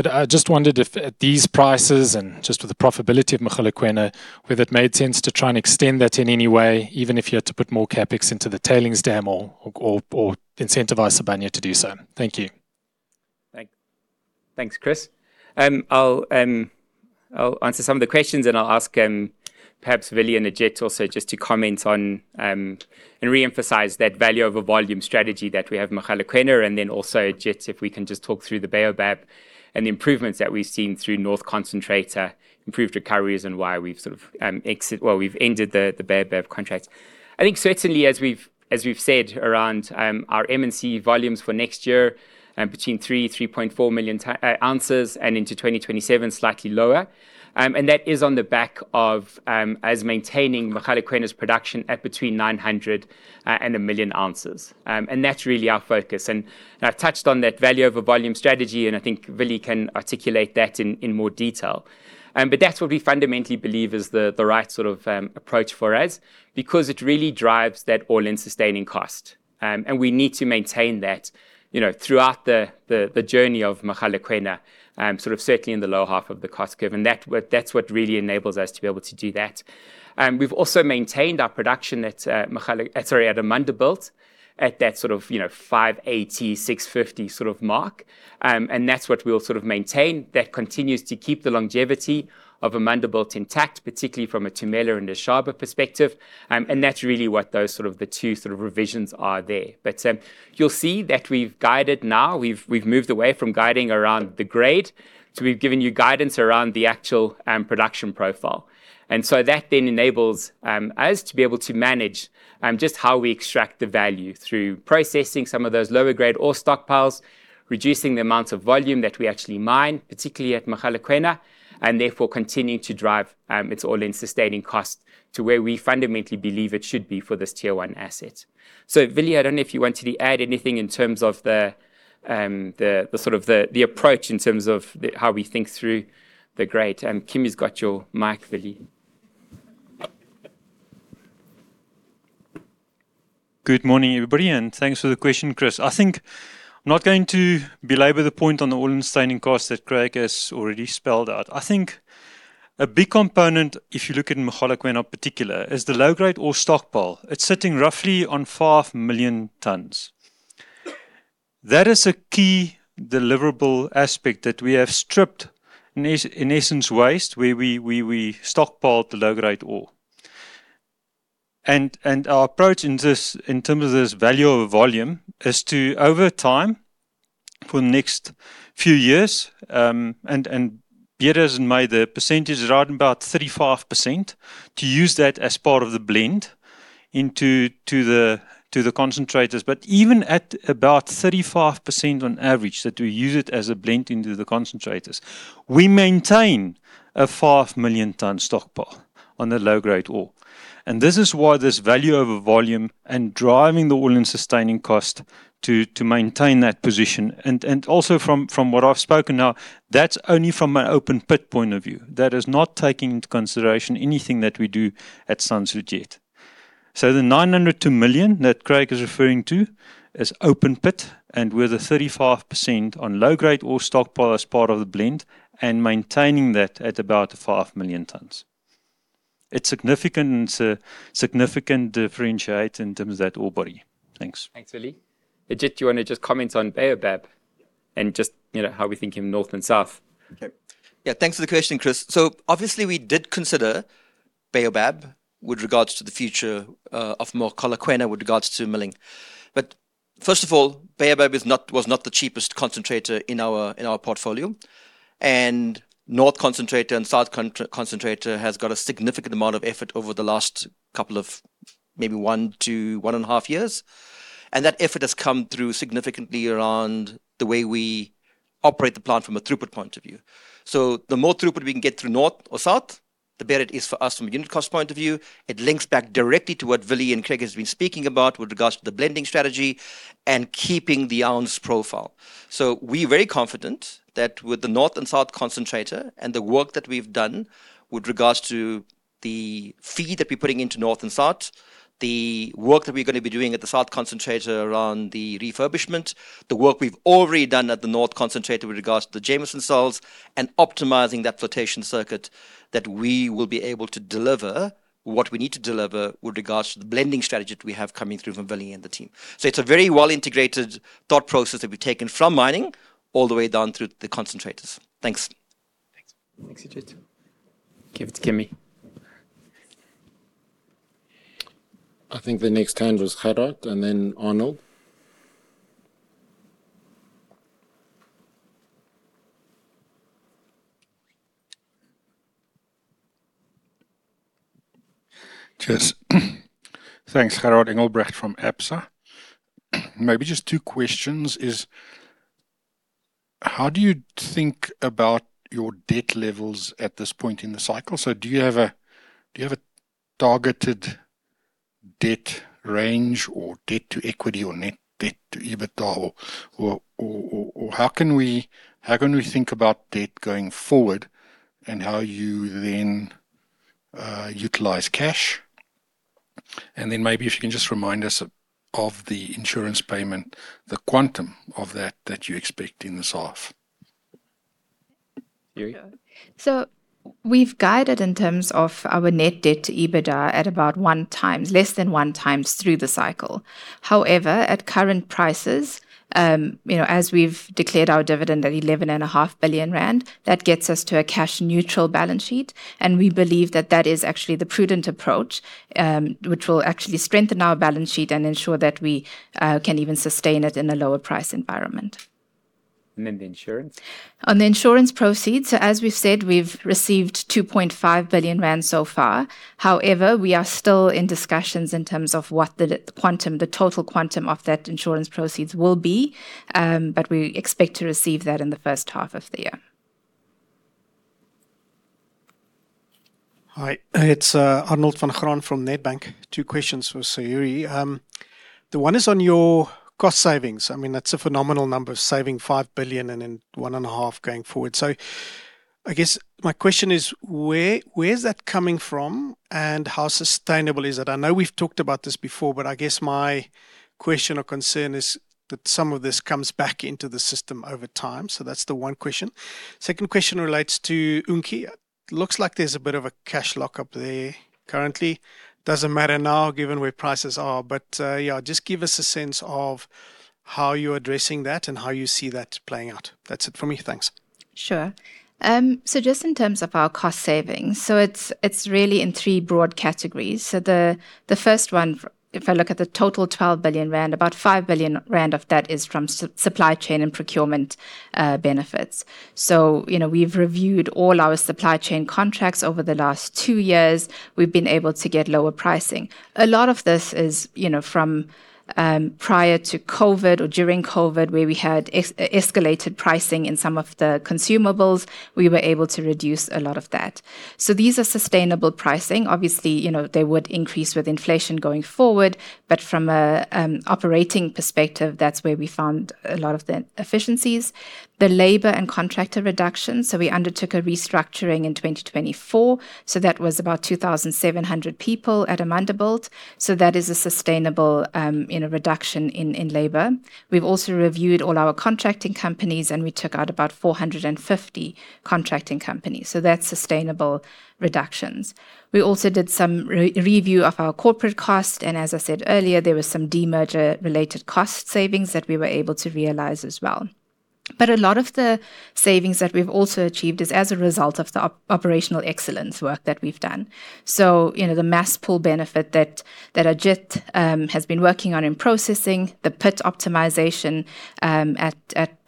I just wondered if at these prices and just with the profitability of Mogalakwena, whether it made sense to try and extend that in any way, even if you had to put more CapEx into the tailings dam or incentivize Sibanye to do so. Thank you. Thanks, Chris. I'll answer some of the questions, and I'll ask perhaps Willie and Agit also just to comment on and re-emphasize that value over volume strategy that we have at Mogalakwena. Then also, Agit, if we can just talk through the Baobab and the improvements that we've seen through North Concentrator, improved recoveries, and why we've sort of we've ended the Baobab contract. I think certainly as we've said, around our M&C volumes for next year, between 3 million ounces, 3.4 million ounces, and into 2027, slightly lower. That is on the back of maintaining Mogalakwena's production at between 900,000 oz and 1 million ounces. That's really our focus. I've touched on that value over volume strategy, and I think Willie can articulate that in more detail. That's what we fundamentally believe is the right sort of approach for us because it really drives that all-in sustaining cost. We need to maintain that, you know, throughout the journey of Mogalakwena, sort of certainly in the lower half of the cost curve, and that's what really enables us to be able to do that. We've also maintained our production at Amandelbult, at that sort of, you know, 580, 650 sort of mark. That's what we'll sort of maintain. That continues to keep the longevity of Amandelbult intact, particularly from a Tumela and Dishaba perspective. That's really what those sort of the two sort of revisions are there. You'll see that we've guided now, we've moved away from guiding around the grade, so we've given you guidance around the actual production profile. That then enables us to be able to manage just how we extract the value through processing some of those lower-grade ore stockpiles, reducing the amount of volume that we actually mine, particularly at Mogalakwena, and therefore continuing to drive its all-in sustaining cost to where we fundamentally believe it should be for this tier one asset. Willie, I don't know if you want to add anything in terms of the sort of the approach in terms of the, how we think through the grade. Kimi's got your mic, Willie. Good morning, everybody, and thanks for the question, Chris. I think I'm not going to belabor the point on the all-in sustaining cost that Craig has already spelled out. I think a big component, if you look at Mogalakwena in particular, is the low-grade ore stockpile. It's sitting roughly on 5 million tonnes. That is a key deliverable aspect that we have stripped in essence, waste, where we stockpiled the low-grade ore. Our approach in this, in terms of this value over volume, is to, over time, for the next few years, and better has made the percentage around about 35%, to use that as part of the blend into to the, to the concentrators. Even at about 35% on average, that we use it as a blend into the concentrators, we maintain a 5 million tonnes stockpile on the low-grade ore. This is why this value over volume and driving the all-in sustaining cost to maintain that position. Also from what I've spoken now, that's only from an open pit point of view. That is not taking into consideration anything that we do at Sandsloot yet. The 900,000 oz to 1 million ounces that Craig is referring to is open pit and with a 35% on low-grade ore stockpile as part of the blend and maintaining that at about 5 million tonnes. It's significant differentiate in terms of that ore body. Thanks. Thanks, Willie. Agit, do you want to just comment on Baobab and just, you know, how we're thinking north and south? Okay. Yeah, thanks for the question, Chris. Obviously, we did consider Baobab with regards to the future of Mogalakwena with regards to milling. First of all, Baobab was not the cheapest concentrator in our portfolio, and North Concentrator and South Concentrator has got a significant amount of effort over the last couple of maybe one to 1.5 years, and that effort has come through significantly around the way we operate the plant from a throughput point of view. The more throughput we can get through north or south, the better it is for us from a unit cost point of view. It links back directly to what Willie and Craig has been speaking about with regards to the blending strategy and keeping the ounce profile. We're very confident that with the North and South Concentrator and the work that we've done with regards to the feed that we're putting into North and South, the work that we're gonna be doing at the South Concentrator around the refurbishment, the work we've already done at the North Concentrator with regards to Jameson Cells, and optimizing that flotation circuit, that we will be able to deliver what we need to deliver with regards to the blending strategy that we have coming through from Willie and the team. It's a very well-integrated thought process that we've taken from mining all the way down through the concentrators. Thanks. Thanks. Thanks, Agit. Give it to Kimi. I think the next turn was Gerhard and then Arnold. Cheers. Thanks, Gerhard Engelbrecht from Absa. Maybe just two questions, is how do you think about your debt levels at this point in the cycle? Do you have a targeted debt range or debt to equity or net debt to EBITDA? Or how can we, how can we think about debt going forward and how you then utilize cash? Then maybe if you can just remind us of the insurance payment, the quantum of that you expect in this half. We've guided in terms of our net debt to EBITDA at about 1x, less than 1x through the cycle. However, at current prices, you know, as we've declared our dividend at 11.5 billion rand, that gets us to a cash neutral balance sheet, and we believe that that is actually the prudent approach, which will actually strengthen our balance sheet and ensure that we can even sustain it in a lower price environment. The insurance? On the insurance proceeds, as we've said, we've received 2.5 billion rand so far. We are still in discussions in terms of what the quantum, the total quantum of that insurance proceeds will be. We expect to receive that in the first half of the year. Hi, it's Arnold Van Graan from Nedbank. Two questions for Sayurie. The one is on your cost savings. I mean, that's a phenomenal number, saving 5 billion and then 1.5 billion going forward. I guess my question is, where is that coming from, and how sustainable is it? I know we've talked about this before, but I guess my question or concern is that some of this comes back into the system over time. That's the one question. Second question relates to Unki. Looks like there's a bit of a cash lockup there currently. Doesn't matter now, given where prices are, but, yeah, just give us a sense of how you're addressing that and how you see that playing out. That's it for me. Thanks. Sure. Just in terms of our cost savings, it's really in three broad categories. The first one, if I look at the total 12 billion rand, about 5 billion rand of that is from supply chain and procurement benefits. You know, we've reviewed all our supply chain contracts over the last two years. We've been able to get lower pricing. A lot of this is, you know, from prior to COVID or during COVID, where we had escalated pricing in some of the consumables, we were able to reduce a lot of that. These are sustainable pricing. Obviously, you know, they would increase with inflation going forward, but from an operating perspective, that's where we found a lot of the efficiencies. The labor and contractor reduction, we undertook a restructuring in 2024. That was about 2,700 people at Amandelbult. That is a sustainable, you know, reduction in labor. We've also reviewed all our contracting companies, and we took out about 450 contracting companies. That's sustainable reductions. We also did some review of our corporate costs, and as I said earlier, there were some demerger-related cost savings that we were able to realize as well. A lot of the savings that we've also achieved is as a result of the operational excellence work that we've done. You know, the mass pull benefit that Agit has been working on in Processing, the pit optimization at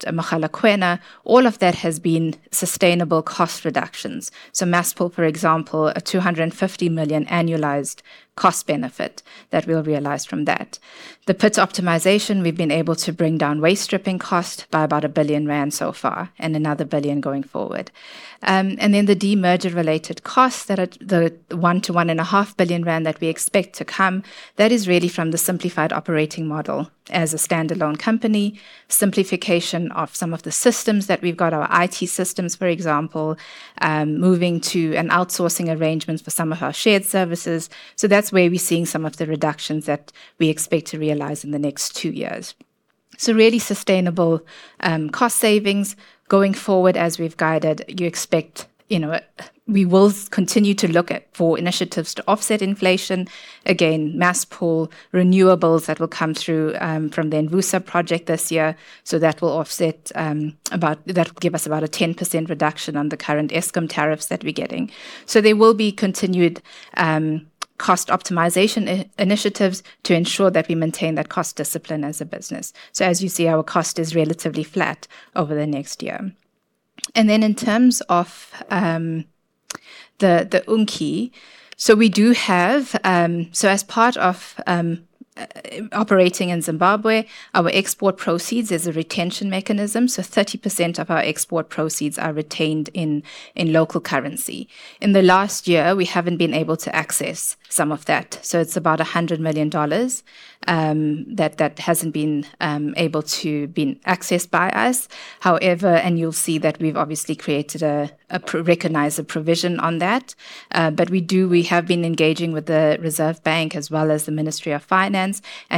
Mogalakwena, all of that has been sustainable cost reductions. Mass pull, for example, a 250 million annualized cost benefit that we'll realize from that. The pits optimization, we've been able to bring down waste stripping cost by about 1 billion rand so far, and another 1 billion going forward. The demerger-related costs that are the 1 billion-1.5 billion rand that we expect to come, that is really from the simplified operating model as a standalone company, simplification of some of the systems that we've got, our IT systems, for example, moving to an outsourcing arrangement for some of our shared services. That's where we're seeing some of the reductions that we expect to realize in the next two years. really sustainable, cost savings. Going forward, as we've guided, you expect, you know, we will continue to look at for initiatives to offset inflation. Mass pull, renewables that will come through from the Envusa project this year. That will offset. That will give us about a 10% reduction on the current Eskom tariffs that we're getting. There will be continued cost optimization initiatives to ensure that we maintain that cost discipline as a business. As you see, our cost is relatively flat over the next year. In terms of the Unki, we do have. As part of operating in Zimbabwe, our export proceeds, there's a retention mechanism, so 30% of our export proceeds are retained in local currency. In the last year, we haven't been able to access some of that, so it's about $100 million that hasn't been able to been accessed by us. You'll see that we've obviously created a recognized a provision on that. We have been engaging with the Reserve Bank as well as the Ministry of Finance.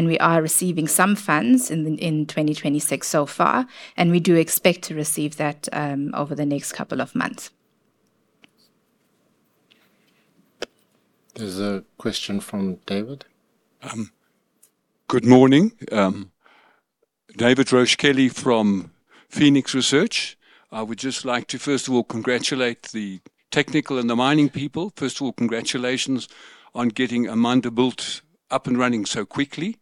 We are receiving some funds in 2026 so far. We do expect to receive that over the next couple of months. There's a question from David. Good morning. David Roche Kelly from Phoenix Research. I would just like to, first of all, congratulate the technical and the mining people. First of all, congratulations on getting Amandelbult up and running so quickly.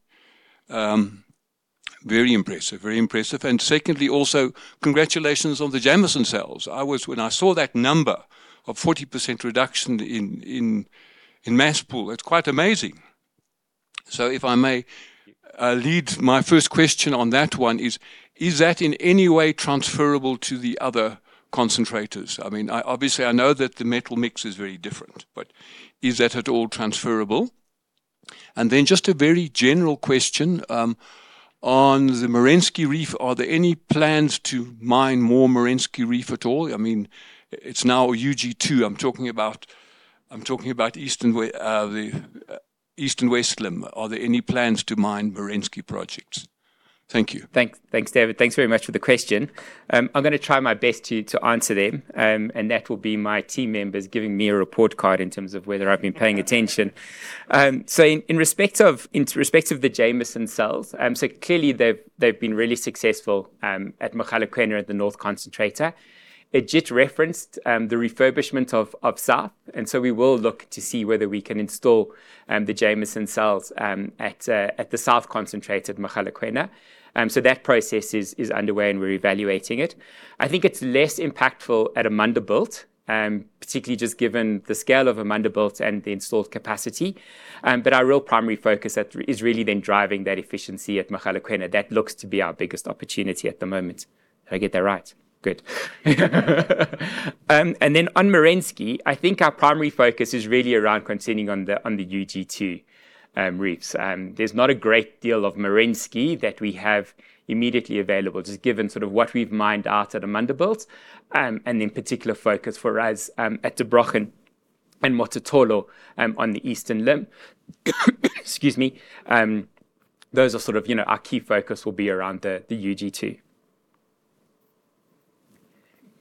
Very impressive. Very impressive. Secondly, also, congratulations on Jameson Cells. When I saw that number of 40% reduction in mass pull, that's quite amazing! If I may lead my first question on that one, is that in any way transferable to the other concentrators? I mean, I obviously I know that the metal mix is very different, but is that at all transferable? Just a very general question on the Merensky Reef, are there any plans to mine more Merensky Reef at all? I mean, it's now UG2. I'm talking about eastern, the east and west limb. Are there any plans to mine Merensky projects? Thank you. Thanks, David. Thanks very much for the question. I'm gonna try my best to answer them, and that will be my team members giving me a report card in terms of whether I've been paying attention. In respect of the Jameson Cells, clearly they've been really successful at Mogalakwena, at the North Concentrator. Agit referenced the refurbishment of South, and we will look to see whether we can install the Jameson Cells at the South Concentrator at Mogalakwena. That process is underway, and we're evaluating it. I think it's less impactful at Amandelbult, particularly just given the scale of Amandelbult and the installed capacity. Our real primary focus is really then driving that efficiency at Mogalakwena. That looks to be our biggest opportunity at the moment. Did I get that right? Good. Then on Merensky, I think our primary focus is really around continuing on the UG2 reefs. There's not a great deal of Merensky that we have immediately available, just given sort of what we've mined out at Amandelbult, and then particular focus for us at Der Brochen and Mototolo on the eastern limb. Excuse me. Those are sort of, you know, our key focus will be around the UG2.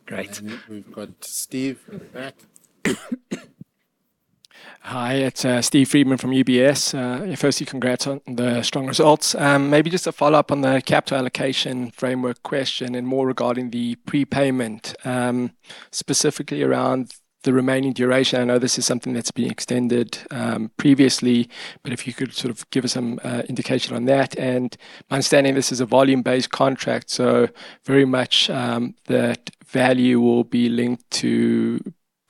Great. We've got Steve at the back. Hi, it's Steve Friedman from UBS. Firstly, congrats on the strong results. Maybe just a follow-up on the capital allocation framework question and more regarding the prepayment, specifically around the remaining duration. I know this is something that's been extended previously, but if you could sort of give us some indication on that. My understanding, this is a volume-based contract, so very much that value will be linked to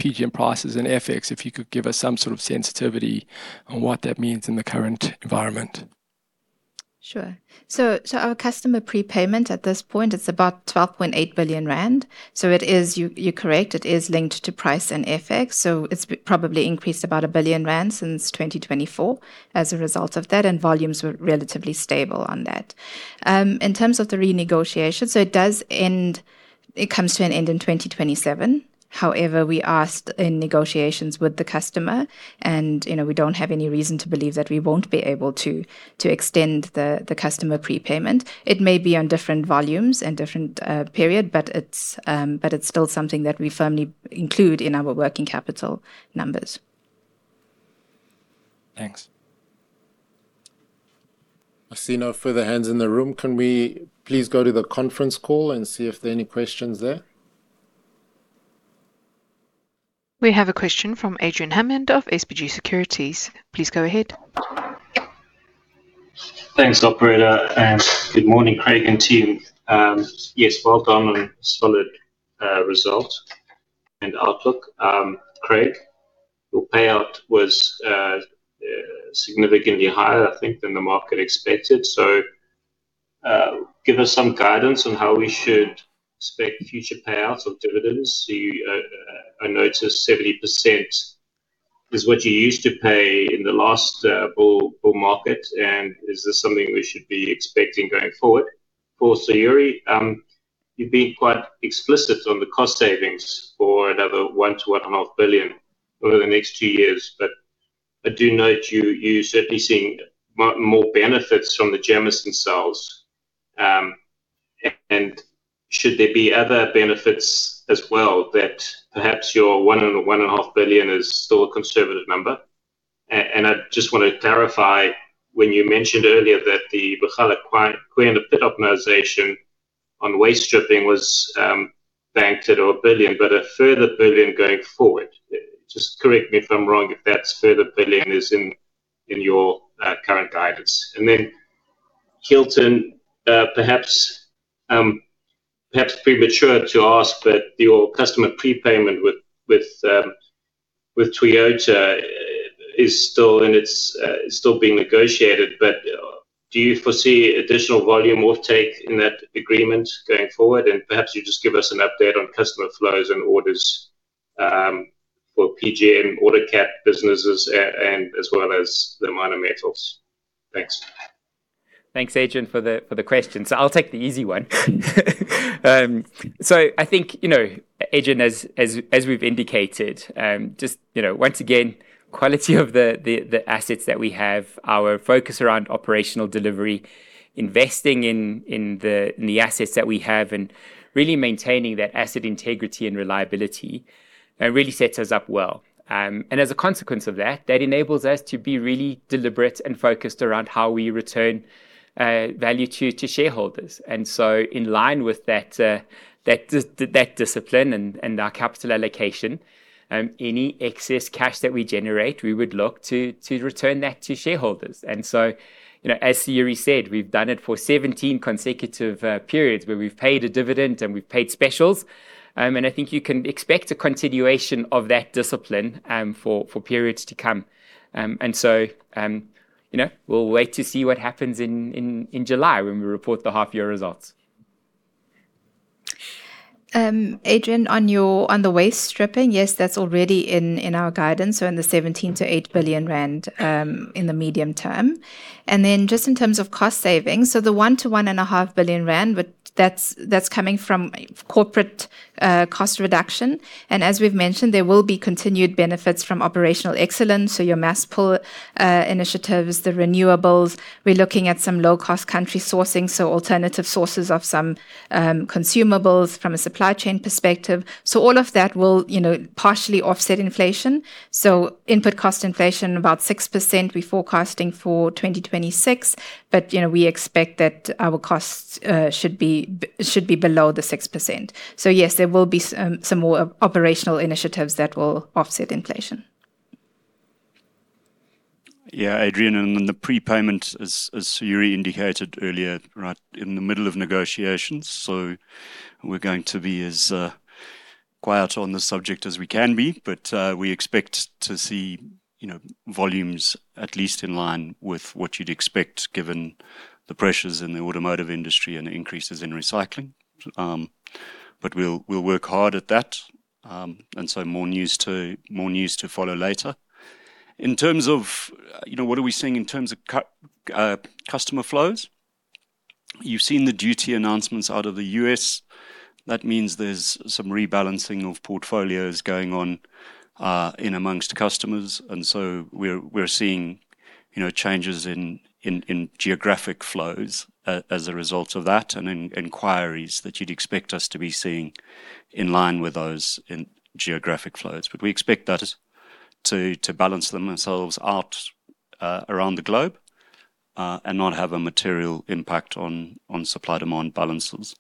PGM prices and FX. If you could give us some sort of sensitivity on what that means in the current environment. Sure. Our customer prepayment at this point, it's about 12.8 billion rand. You're correct, it is linked to price and FX, it's probably increased about 1 billion rand since 2024 as a result of that, and volumes were relatively stable on that. In terms of the renegotiation, it comes to an end in 2027. However, we asked in negotiations with the customer, and, you know, we don't have any reason to believe that we won't be able to extend the customer prepayment. It may be on different volumes and different period, but it's still something that we firmly include in our working capital numbers. Thanks. I see no further hands in the room. Can we please go to the conference call and see if there are any questions there? We have a question from Adrian Hammond of SBG Securities. Please go ahead. Thanks, operator. Good morning, Craig and team. Yes, well done on a solid result and outlook. Craig, your payout was significantly higher, I think, than the market expected. Give us some guidance on how we should expect future payouts or dividends. You, I noticed 70% is what you used to pay in the last bull market. Is this something we should be expecting going forward? For Sayurie, you've been quite explicit on the cost savings for another 1 billion-1.5 billion over the next two years. I do note you're certainly seeing more benefits from Jameson Cells. Should there be other benefits as well, that perhaps your 1.5 billion is still a conservative number? I just want to clarify, when you mentioned earlier that the Mogalakwena pit optimization on waste stripping was banked at over 1 billion, but a further 1 billion going forward. Just correct me if I'm wrong, if that further 1 billion is in your current guidance. Hilton, perhaps premature to ask, but your customer prepayment with Toyota is still in its still being negotiated, but do you foresee additional volume offtake in that agreement going forward? Perhaps you just give us an update on customer flows and orders for PGM autocat businesses and as well as the minor metals. Thanks. Thanks, Adrian, for the question. I'll take the easy one. I think, you know, Adrian, as we've indicated, just, you know, once again, quality of the assets that we have, our focus around operational delivery, investing in the assets that we have, and really maintaining that asset integrity and reliability, really sets us up well. As a consequence of that enables us to be really deliberate and focused around how we return value to shareholders. In line with that discipline and our capital allocation, any excess cash that we generate, we would look to return that to shareholders. You know, as Sayurie said, we've done it for 17 consecutive periods, where we've paid a dividend and we've paid specials. I think you can expect a continuation of that discipline, for periods to come. You know, we'll wait to see what happens in July when we report the half-year results. Adrian, on the waste stripping, yes, that's already in our guidance, in the 17 billion-8 billion rand in the medium term. Just in terms of cost savings, the 1 billion-1.5 billion rand, but that's coming from corporate cost reduction. As we've mentioned, there will be continued benefits from operational excellence, your Mass pull initiatives, the renewables. We're looking at some low-cost country sourcing, alternative sources of some consumables from a supply chain perspective. All of that will, you know, partially offset inflation. Input cost inflation, about 6% we're forecasting for 2026, but, you know, we expect that our costs should be below the 6%. Yes, there will be some more operational initiatives that will offset inflation. Adrian, on the prepayment, as Sayurie indicated earlier, right in the middle of negotiations, so we're going to be as quiet on the subject as we can be. We expect to see, you know, volumes at least in line with what you'd expect, given the pressures in the automotive industry and the increases in recycling. We'll work hard at that. More news to follow later. In terms of, you know, what are we seeing in terms of customer flows? You've seen the duty announcements out of the U.S. That means there's some rebalancing of portfolios going on, in amongst customers. We're seeing, you know, changes in geographic flows as a result of that, and inquiries that you'd expect us to be seeing in line with those in geographic flows. We expect that to balance themselves out around the globe and not have a material impact on supply-demand balances.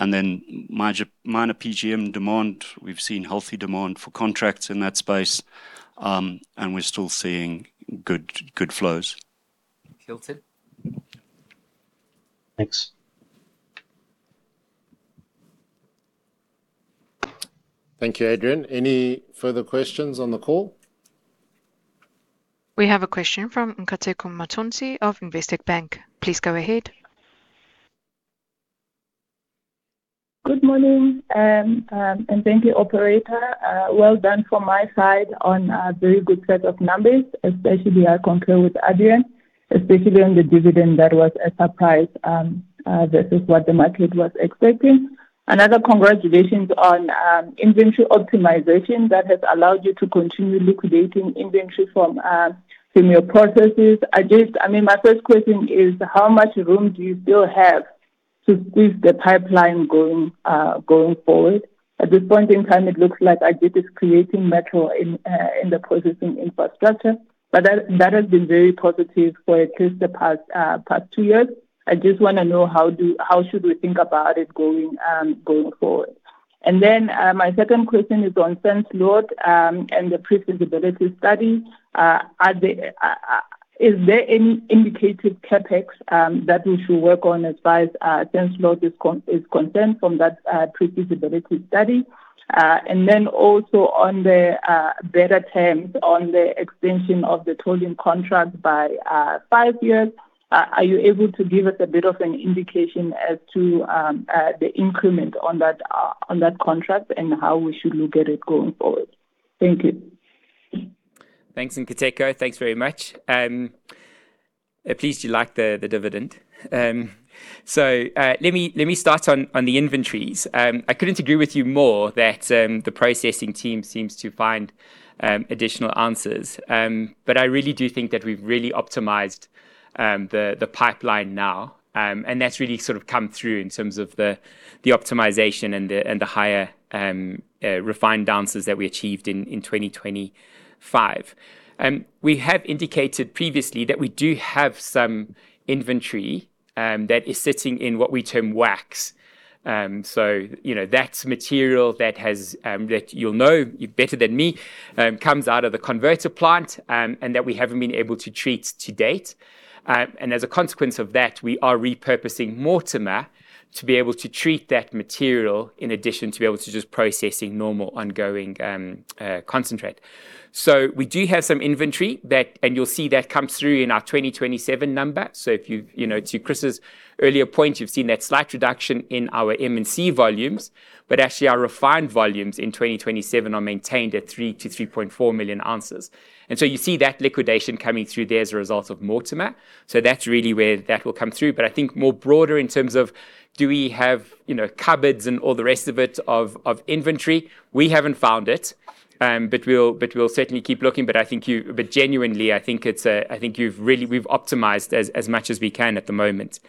Major minor PGM demand, we've seen healthy demand for contracts in that space, and we're still seeing good flows. Hilton? Thanks. Thank you, Adrian. Any further questions on the call? We have a question from Nkateko Mathonsi of Investec Bank. Please go ahead. Good morning, thank you, operator. Well done from my side on a very good set of numbers, especially I concur with Adrian, especially on the dividend. That was a surprise versus what the market was expecting. Another congratulations on inventory optimization that has allowed you to continue liquidating inventory from your processes. I mean, my first question is, how much room do you still have to squeeze the pipeline going forward? At this point in time, it looks like Agit is creating metal in the Processing infrastructure, but that has been very positive for at least the past two years. I just wanna know, how should we think about it going forward? My second question is on Sandsloot and the pre-feasibility study. Are there any indicated CapEx that we should work on as far as Sandsloot is concerned from that pre-feasibility study? Also on the better terms on the extension of the tolling contract by five years, are you able to give us a bit of an indication as to the increment on that on that contract and how we should look at it going forward? Thank you. Thanks, Nkateko. Thanks very much. Pleased you liked the dividend. Let me start on the inventories. I couldn't agree with you more that the Processing team seems to find additional answers. I really do think that we've really optimized the pipeline now. That's really sort of come through in terms of the optimization and the higher refined answers that we achieved in 2025. We have indicated previously that we do have some inventory that is sitting in what we term wax. You know, that's material that has that you'll know better than me, comes out of the converter plant, and that we haven't been able to treat to date. As a consequence of that, we are repurposing Mortimer to be able to treat that material in addition to be able to just processing normal, ongoing concentrate. We do have some inventory that. You'll see that comes through in our 2027 numbers. If you've, you know, to Chris's earlier point, you've seen that slight reduction in our M&C volumes, but actually, our refined volumes in 2027 are maintained at 3 million ounces-3.4 million ounces. You see that liquidation coming through there as a result of Mortimer, that's really where that will come through. I think more broader in terms of do we have, you know, cupboards and all the rest of it, of inventory? We haven't found it, but we'll certainly keep looking. I think you genuinely, it's a, you've really, we've optimized as much as we can at the moment.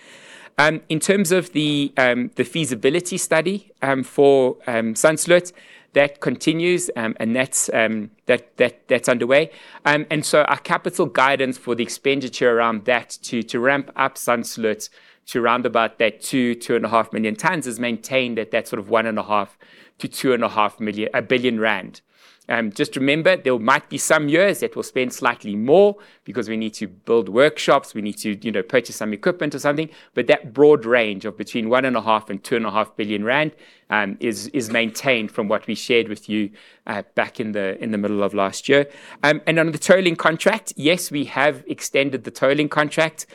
In terms of the feasibility study for Sandsloot, that continues, and that's underway. And so our capital guidance for the expenditure around that to ramp up Sandsloot to around about that 2 million tonnes-2.5 million tonnes is maintained at that sort of 1.5 million-2.5 million, 1 billion rand. Just remember, there might be some years that we'll spend slightly more because we need to build workshops, we need to purchase some equipment or something, but that broad range of between 1.5 billion rand and ZAR 2.5 billion is maintained from what we shared with you back in the middle of last year. On the tolling contract, yes, we have extended the tolling contract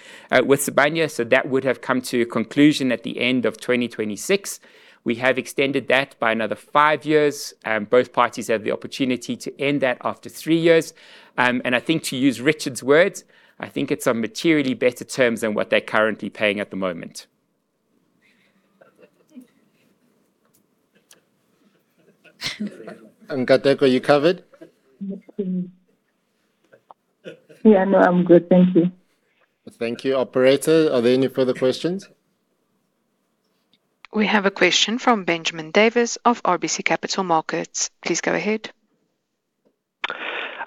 with Sibanye, that would have come to a conclusion at the end of 2026. We have extended that by another five years. Both parties have the opportunity to end that after three years. I think to use Richard's words, "I think it's on materially better terms than what they're currently paying at the moment." Nkateko, are you covered? Yeah, no, I'm good. Thank you. Thank you. Operator, are there any further questions? We have a question from Benjamin Davis of RBC Capital Markets. Please go ahead.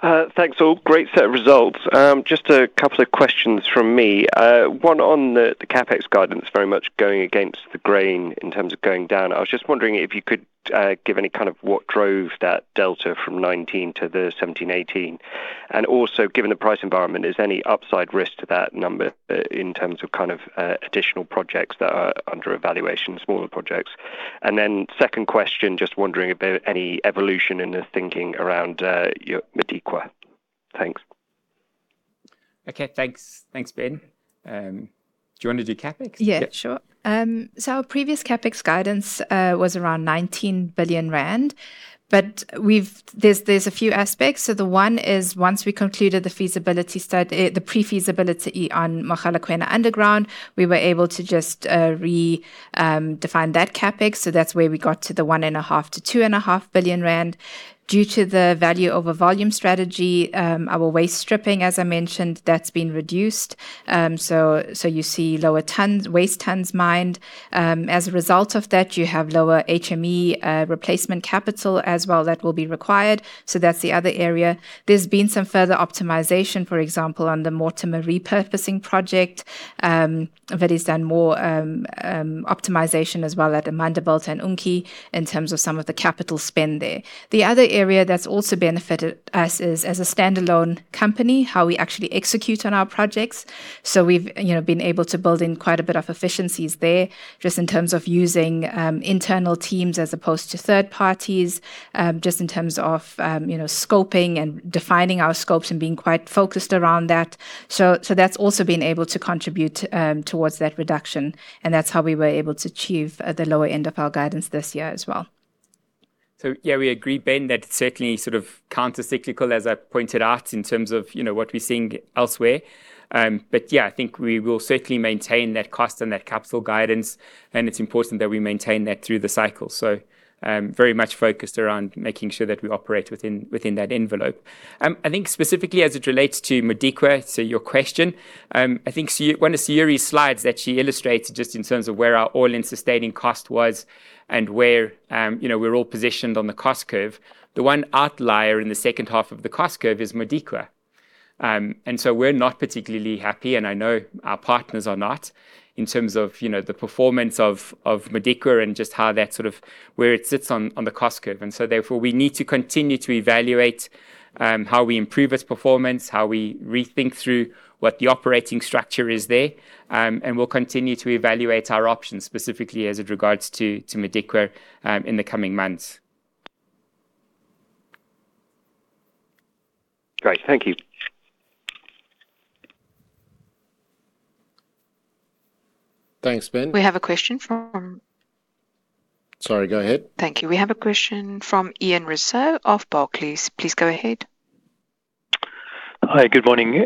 Thanks, all. Great set of results. Just a couple of questions from me. One on the CapEx guidance, very much going against the grain in terms of going down. I was just wondering if you could give any kind of what drove that delta from 19 to the 17, ZAR 18. Given the price environment, is there any upside risk to that number in terms of additional projects that are under evaluation, smaller projects? Second question, just wondering about any evolution in the thinking around your Modikwa. Thanks. Okay, thanks. Thanks, Ben. Do you want to do CapEx? Yeah, sure. Our previous CapEx guidance was around 19 billion rand, but there's a few aspects. The one is, once we concluded the pre-feasibility on Mogalakwena underground, we were able to just redefine that CapEx, so that's where we got to the 1.5 billion-2.5 billion rand. Due to the value over volume strategy, our waste stripping, as I mentioned, that's been reduced. You see lower tonnes, waste tonnes mined. As a result of that, you have lower HME replacement capital as well that will be required, so that's the other area. There's been some further optimization, for example, on the Mortimer repurposing project, that has done more optimization as well at Amandelbult and Unki, in terms of some of the capital spend there. The other area that's also benefited us is, as a standalone company, how we actually execute on our projects. We've, you know, been able to build in quite a bit of efficiencies there, just in terms of using internal teams as opposed to third parties, just in terms of, you know, scoping and defining our scopes and being quite focused around that. That's also been able to contribute towards that reduction, and that's how we were able to achieve the lower end of our guidance this year as well. Yeah, we agree, Benjamin, that it's certainly sort of countercyclical, as I pointed out, in terms of, you know, what we're seeing elsewhere. Yeah, I think we will certainly maintain that cost and that capital guidance, and it's important that we maintain that through the cycle. Very much focused around making sure that we operate within that envelope. I think specifically as it relates to Modikwa, your question, I think one of Sayurie's slides that she illustrates just in terms of where our all-in sustaining cost was and where, you know, we're all positioned on the cost curve. The one outlier in the second half of the cost curve is Modikwa. We're not particularly happy, and I know our partners are not, in terms of, you know, the performance of Modikwa and just how that sort of... where it sits on the cost curve. Therefore, we need to continue to evaluate how we improve its performance, how we rethink through what the operating structure is there. We'll continue to evaluate our options, specifically as it regards to Modikwa in the coming months. Great. Thank you. Thanks, Ben. We have a question from. Sorry, go ahead. Thank you. We have a question from Pierre Rousseau of Barclays. Please go ahead. Hi, good morning.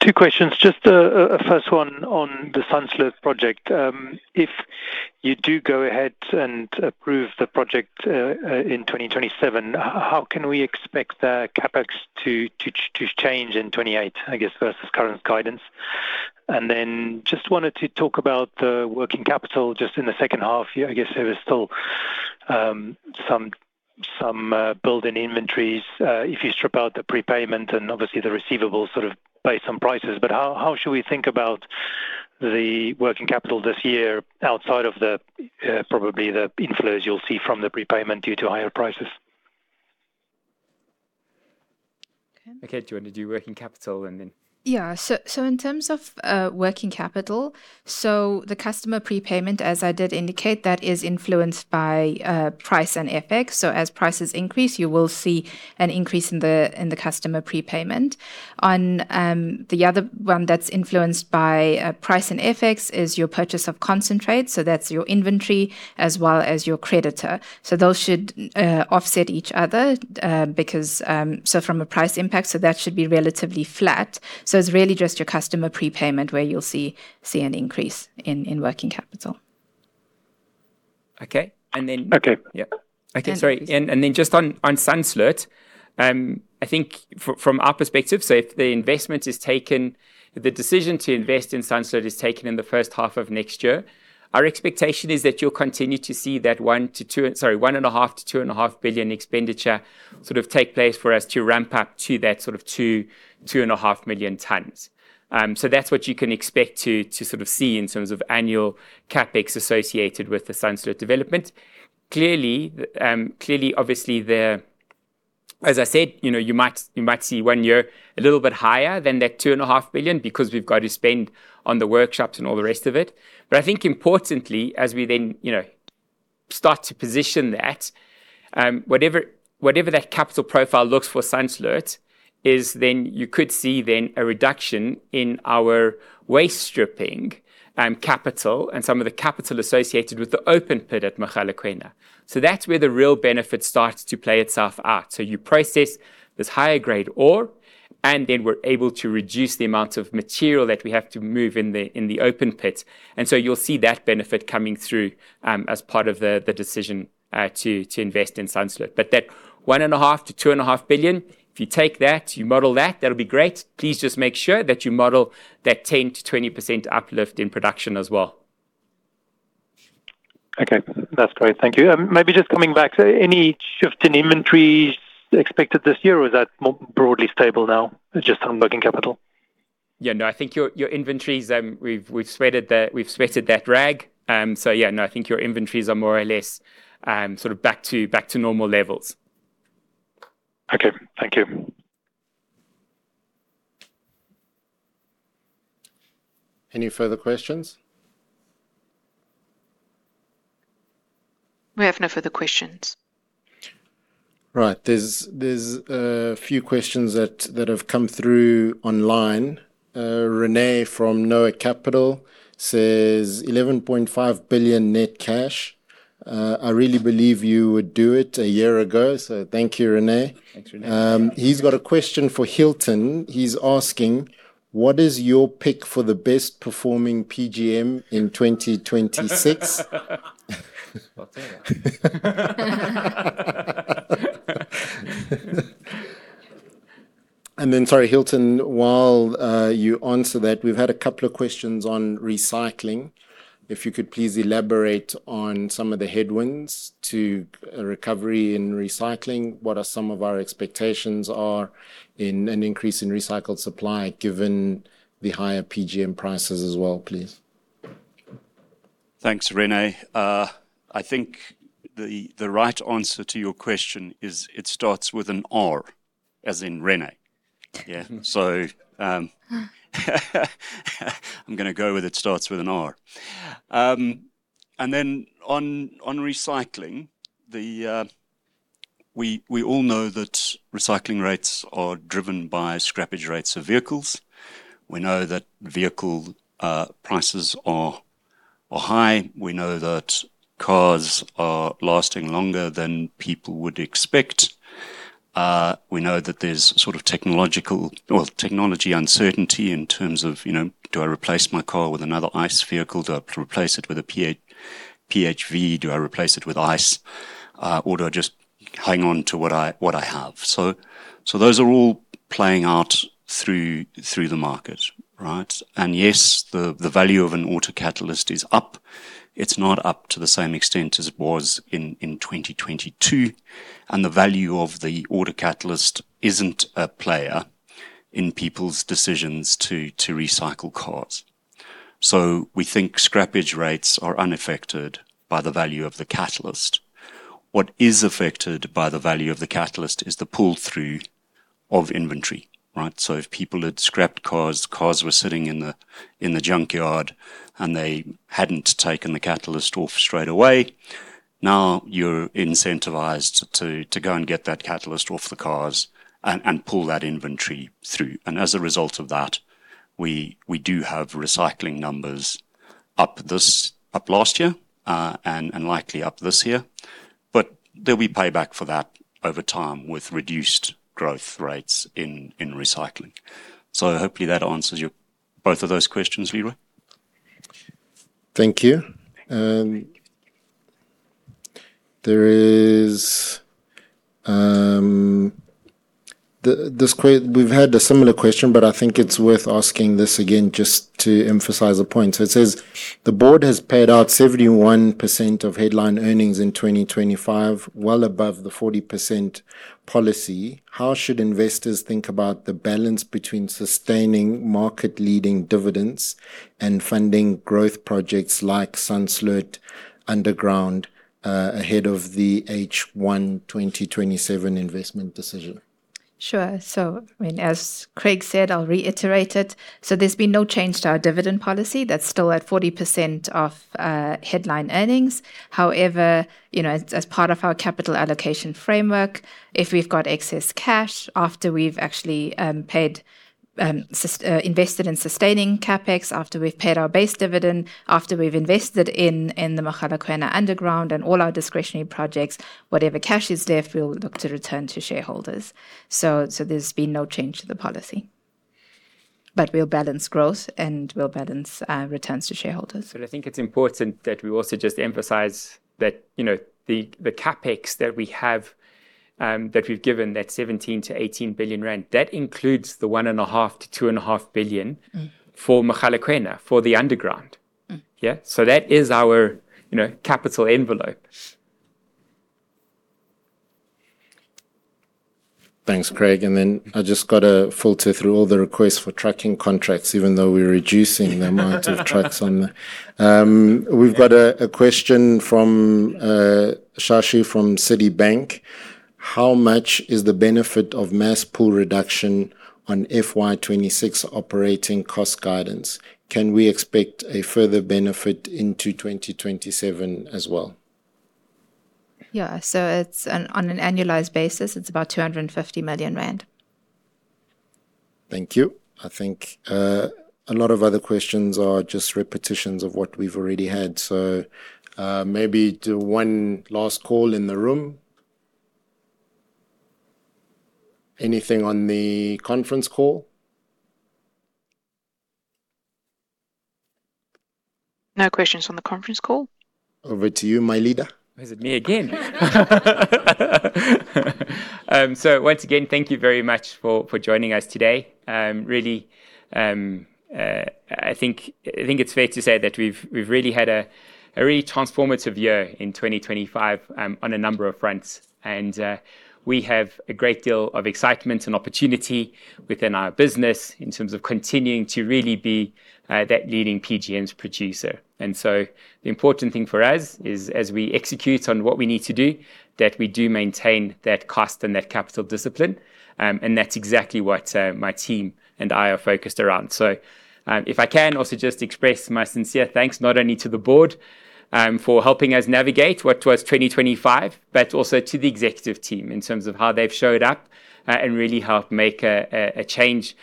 Two questions. Just a first one on the Sandsloot project. If you do go ahead and approve the project in 2027, how can we expect the CapEx to change in 2028, I guess, versus current guidance? Just wanted to talk about the working capital just in the second half year. I guess there was still some build in inventories if you strip out the prepayment and obviously the receivables sort of based on prices. How should we think about the working capital this year outside of the probably the inflows you'll see from the prepayment due to higher prices? Okay. Okay. Do you want to do working capital and then- In terms of working capital, the customer prepayment, as I did indicate, that is influenced by price and FX. As prices increase, you will see an increase in the customer prepayment. On, the other one that's influenced by price and FX, is your purchase of concentrate, that's your inventory as well as your creditor. Those should offset each other because from a price impact, that should be relatively flat. It's really just your customer prepayment where you'll see an increase in working capital. Okay. And then. Okay. Yeah. Okay, sorry. Yeah. Then just on Sandsloot, from our perspective, if the investment is taken, if the decision to invest in Sandsloot is taken in the first half of next year, our expectation is that you'll continue to see that 1.5 billion-2.5 billion expenditure sort of take place for us to ramp up to that sort of 2.5 million tonnes. That's what you can expect to sort of see in terms of annual CapEx associated with the Sandsloot development. Clearly, obviously, as I said, you know, you might see one year a little bit higher than that 2.5 billion, because we've got to spend on the workshops and all the rest of it. I think importantly, as we then, you know, start to position that, whatever that capital profile looks for Sandsloot, is then you could see then a reduction in our waste stripping capital, and some of the capital associated with the open pit at Mogalakwena. That's where the real benefit starts to play itself out. You process this higher-grade ore, and then we're able to reduce the amount of material that we have to move in the open pit. You'll see that benefit coming through as part of the decision to invest in Sandsloot. That 1.5 billion-2.5 billion, if you take that, you model that'll be great. Please just make sure that you model that 10%-20% uplift in production as well. Okay, that's great. Thank you. Maybe just coming back, any shift in inventories expected this year, or is that more broadly stable now, just on working capital? Yeah. No, I think your inventories, we've sweated that rag. Yeah. No, I think your inventories are more or less, sort of back to normal levels. Okay, thank you. Any further questions? We have no further questions. Right. There's a few questions that have come through online. René from Noah Capital says, "11.5 billion net cash, I really believe you would do it a year ago," so thank you, René. Thanks, René. He's got a question for Hilton. He's asking: What is your pick for the best performing PGM in 2026? Sorry, Hilton, while you answer that, we've had a couple of questions on recycling. If you could please elaborate on some of the headwinds to a recovery in recycling. What are some of our expectations are in an increase in recycled supply, given the higher PGM prices as well, please? Thanks, René. I think the right answer to your question is, it starts with an R, as in René. Yeah. I'm gonna go with it starts with an R. On recycling, the... We all know that recycling rates are driven by scrappage rates of vehicles. We know that vehicle prices are high. We know that cars are lasting longer than people would expect. We know that there's sort of technological or technology uncertainty in terms of, you know, do I replace my car with another ICE vehicle? Do I replace it with a PHEV? Do I replace it with ICE, or do I just hang on to what I have? Those are all playing out through the market, right? Yes, the value of an autocatalyst is up. It's not up to the same extent as it was in 2022, and the value of the autocatalyst isn't a player in people's decisions to recycle cars. We think scrappage rates are unaffected by the value of the catalyst. What is affected by the value of the catalyst is the pull-through of inventory, right? If people had scrapped cars were sitting in the junkyard, and they hadn't taken the catalyst off straight away, now you're incentivized to go and get that catalyst off the cars and pull that inventory through. As a result of that, we do have recycling numbers up last year, and likely up this year. There'll be payback for that over time with reduced growth rates in recycling. Hopefully that answers your, both of those questions, Leroy. Thank you. We've had a similar question. I think it's worth asking this again just to emphasize a point. It says: "The Board has paid out 71% of headline earnings in 2025, well above the 40% policy. How should investors think about the balance between sustaining market-leading dividends and funding growth projects like Sandsloot underground ahead of the H1 2027 investment decision? Sure. I mean, as Craig said, I'll reiterate it: so there's been no change to our dividend policy. That's still at 40% off headline earnings. You know, as part of our capital allocation framework, if we've got excess cash after we've actually paid, invested in sustaining CapEx, after we've paid our base dividend, after we've invested in the Mogalakwena Underground and all our discretionary projects, whatever cash is left, we'll look to return to shareholders. There's been no change to the policy. We'll balance growth, and we'll balance returns to shareholders. I think it's important that we also just emphasize that, you know, the CapEx that we have, that we've given, that 17 billion-18 billion rand, that includes the 1.5 billion-2.5 billion. Mm. for Mogalakwena, for the underground. Mm. Yeah? That is our, you know, capital envelope. Thanks, Craig. I just got to filter through all the requests for trucking contracts, even though we're reducing the amount of trucks on the. We've got a question from Shashi from Citibank: How much is the benefit of mass pull reduction on FY 2026 operating cost guidance? Can we expect a further benefit into 2027 as well? Yeah. It's on an annualized basis, it's about 250 million rand. Thank you. I think, a lot of other questions are just repetitions of what we've already had. Maybe do one last call in the room. Anything on the conference call? No questions on the conference call. Over to you, my leader. Is it me again? Once again, thank you very much for joining us today. Really, I think it's fair to say that we've really had a really transformative year in 2025, on a number of fronts. We have a great deal of excitement and opportunity within our business in terms of continuing to really be that leading PGMs producer. The important thing for us is, as we execute on what we need to do, that we do maintain that cost and that capital discipline, and that's exactly what my team and I are focused around. If I can also just express my sincere thanks, not only to the Board, for helping us navigate what was 2025, but also to the executive team, in terms of how they've showed up, and really helped make a change,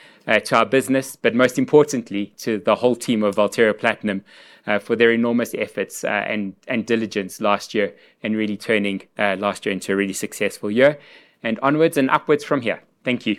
to our business. Most importantly, to the whole team of Valterra Platinum, for their enormous efforts, and diligence last year, and really turning, last year into a really successful year. Onwards and upwards from here. Thank you.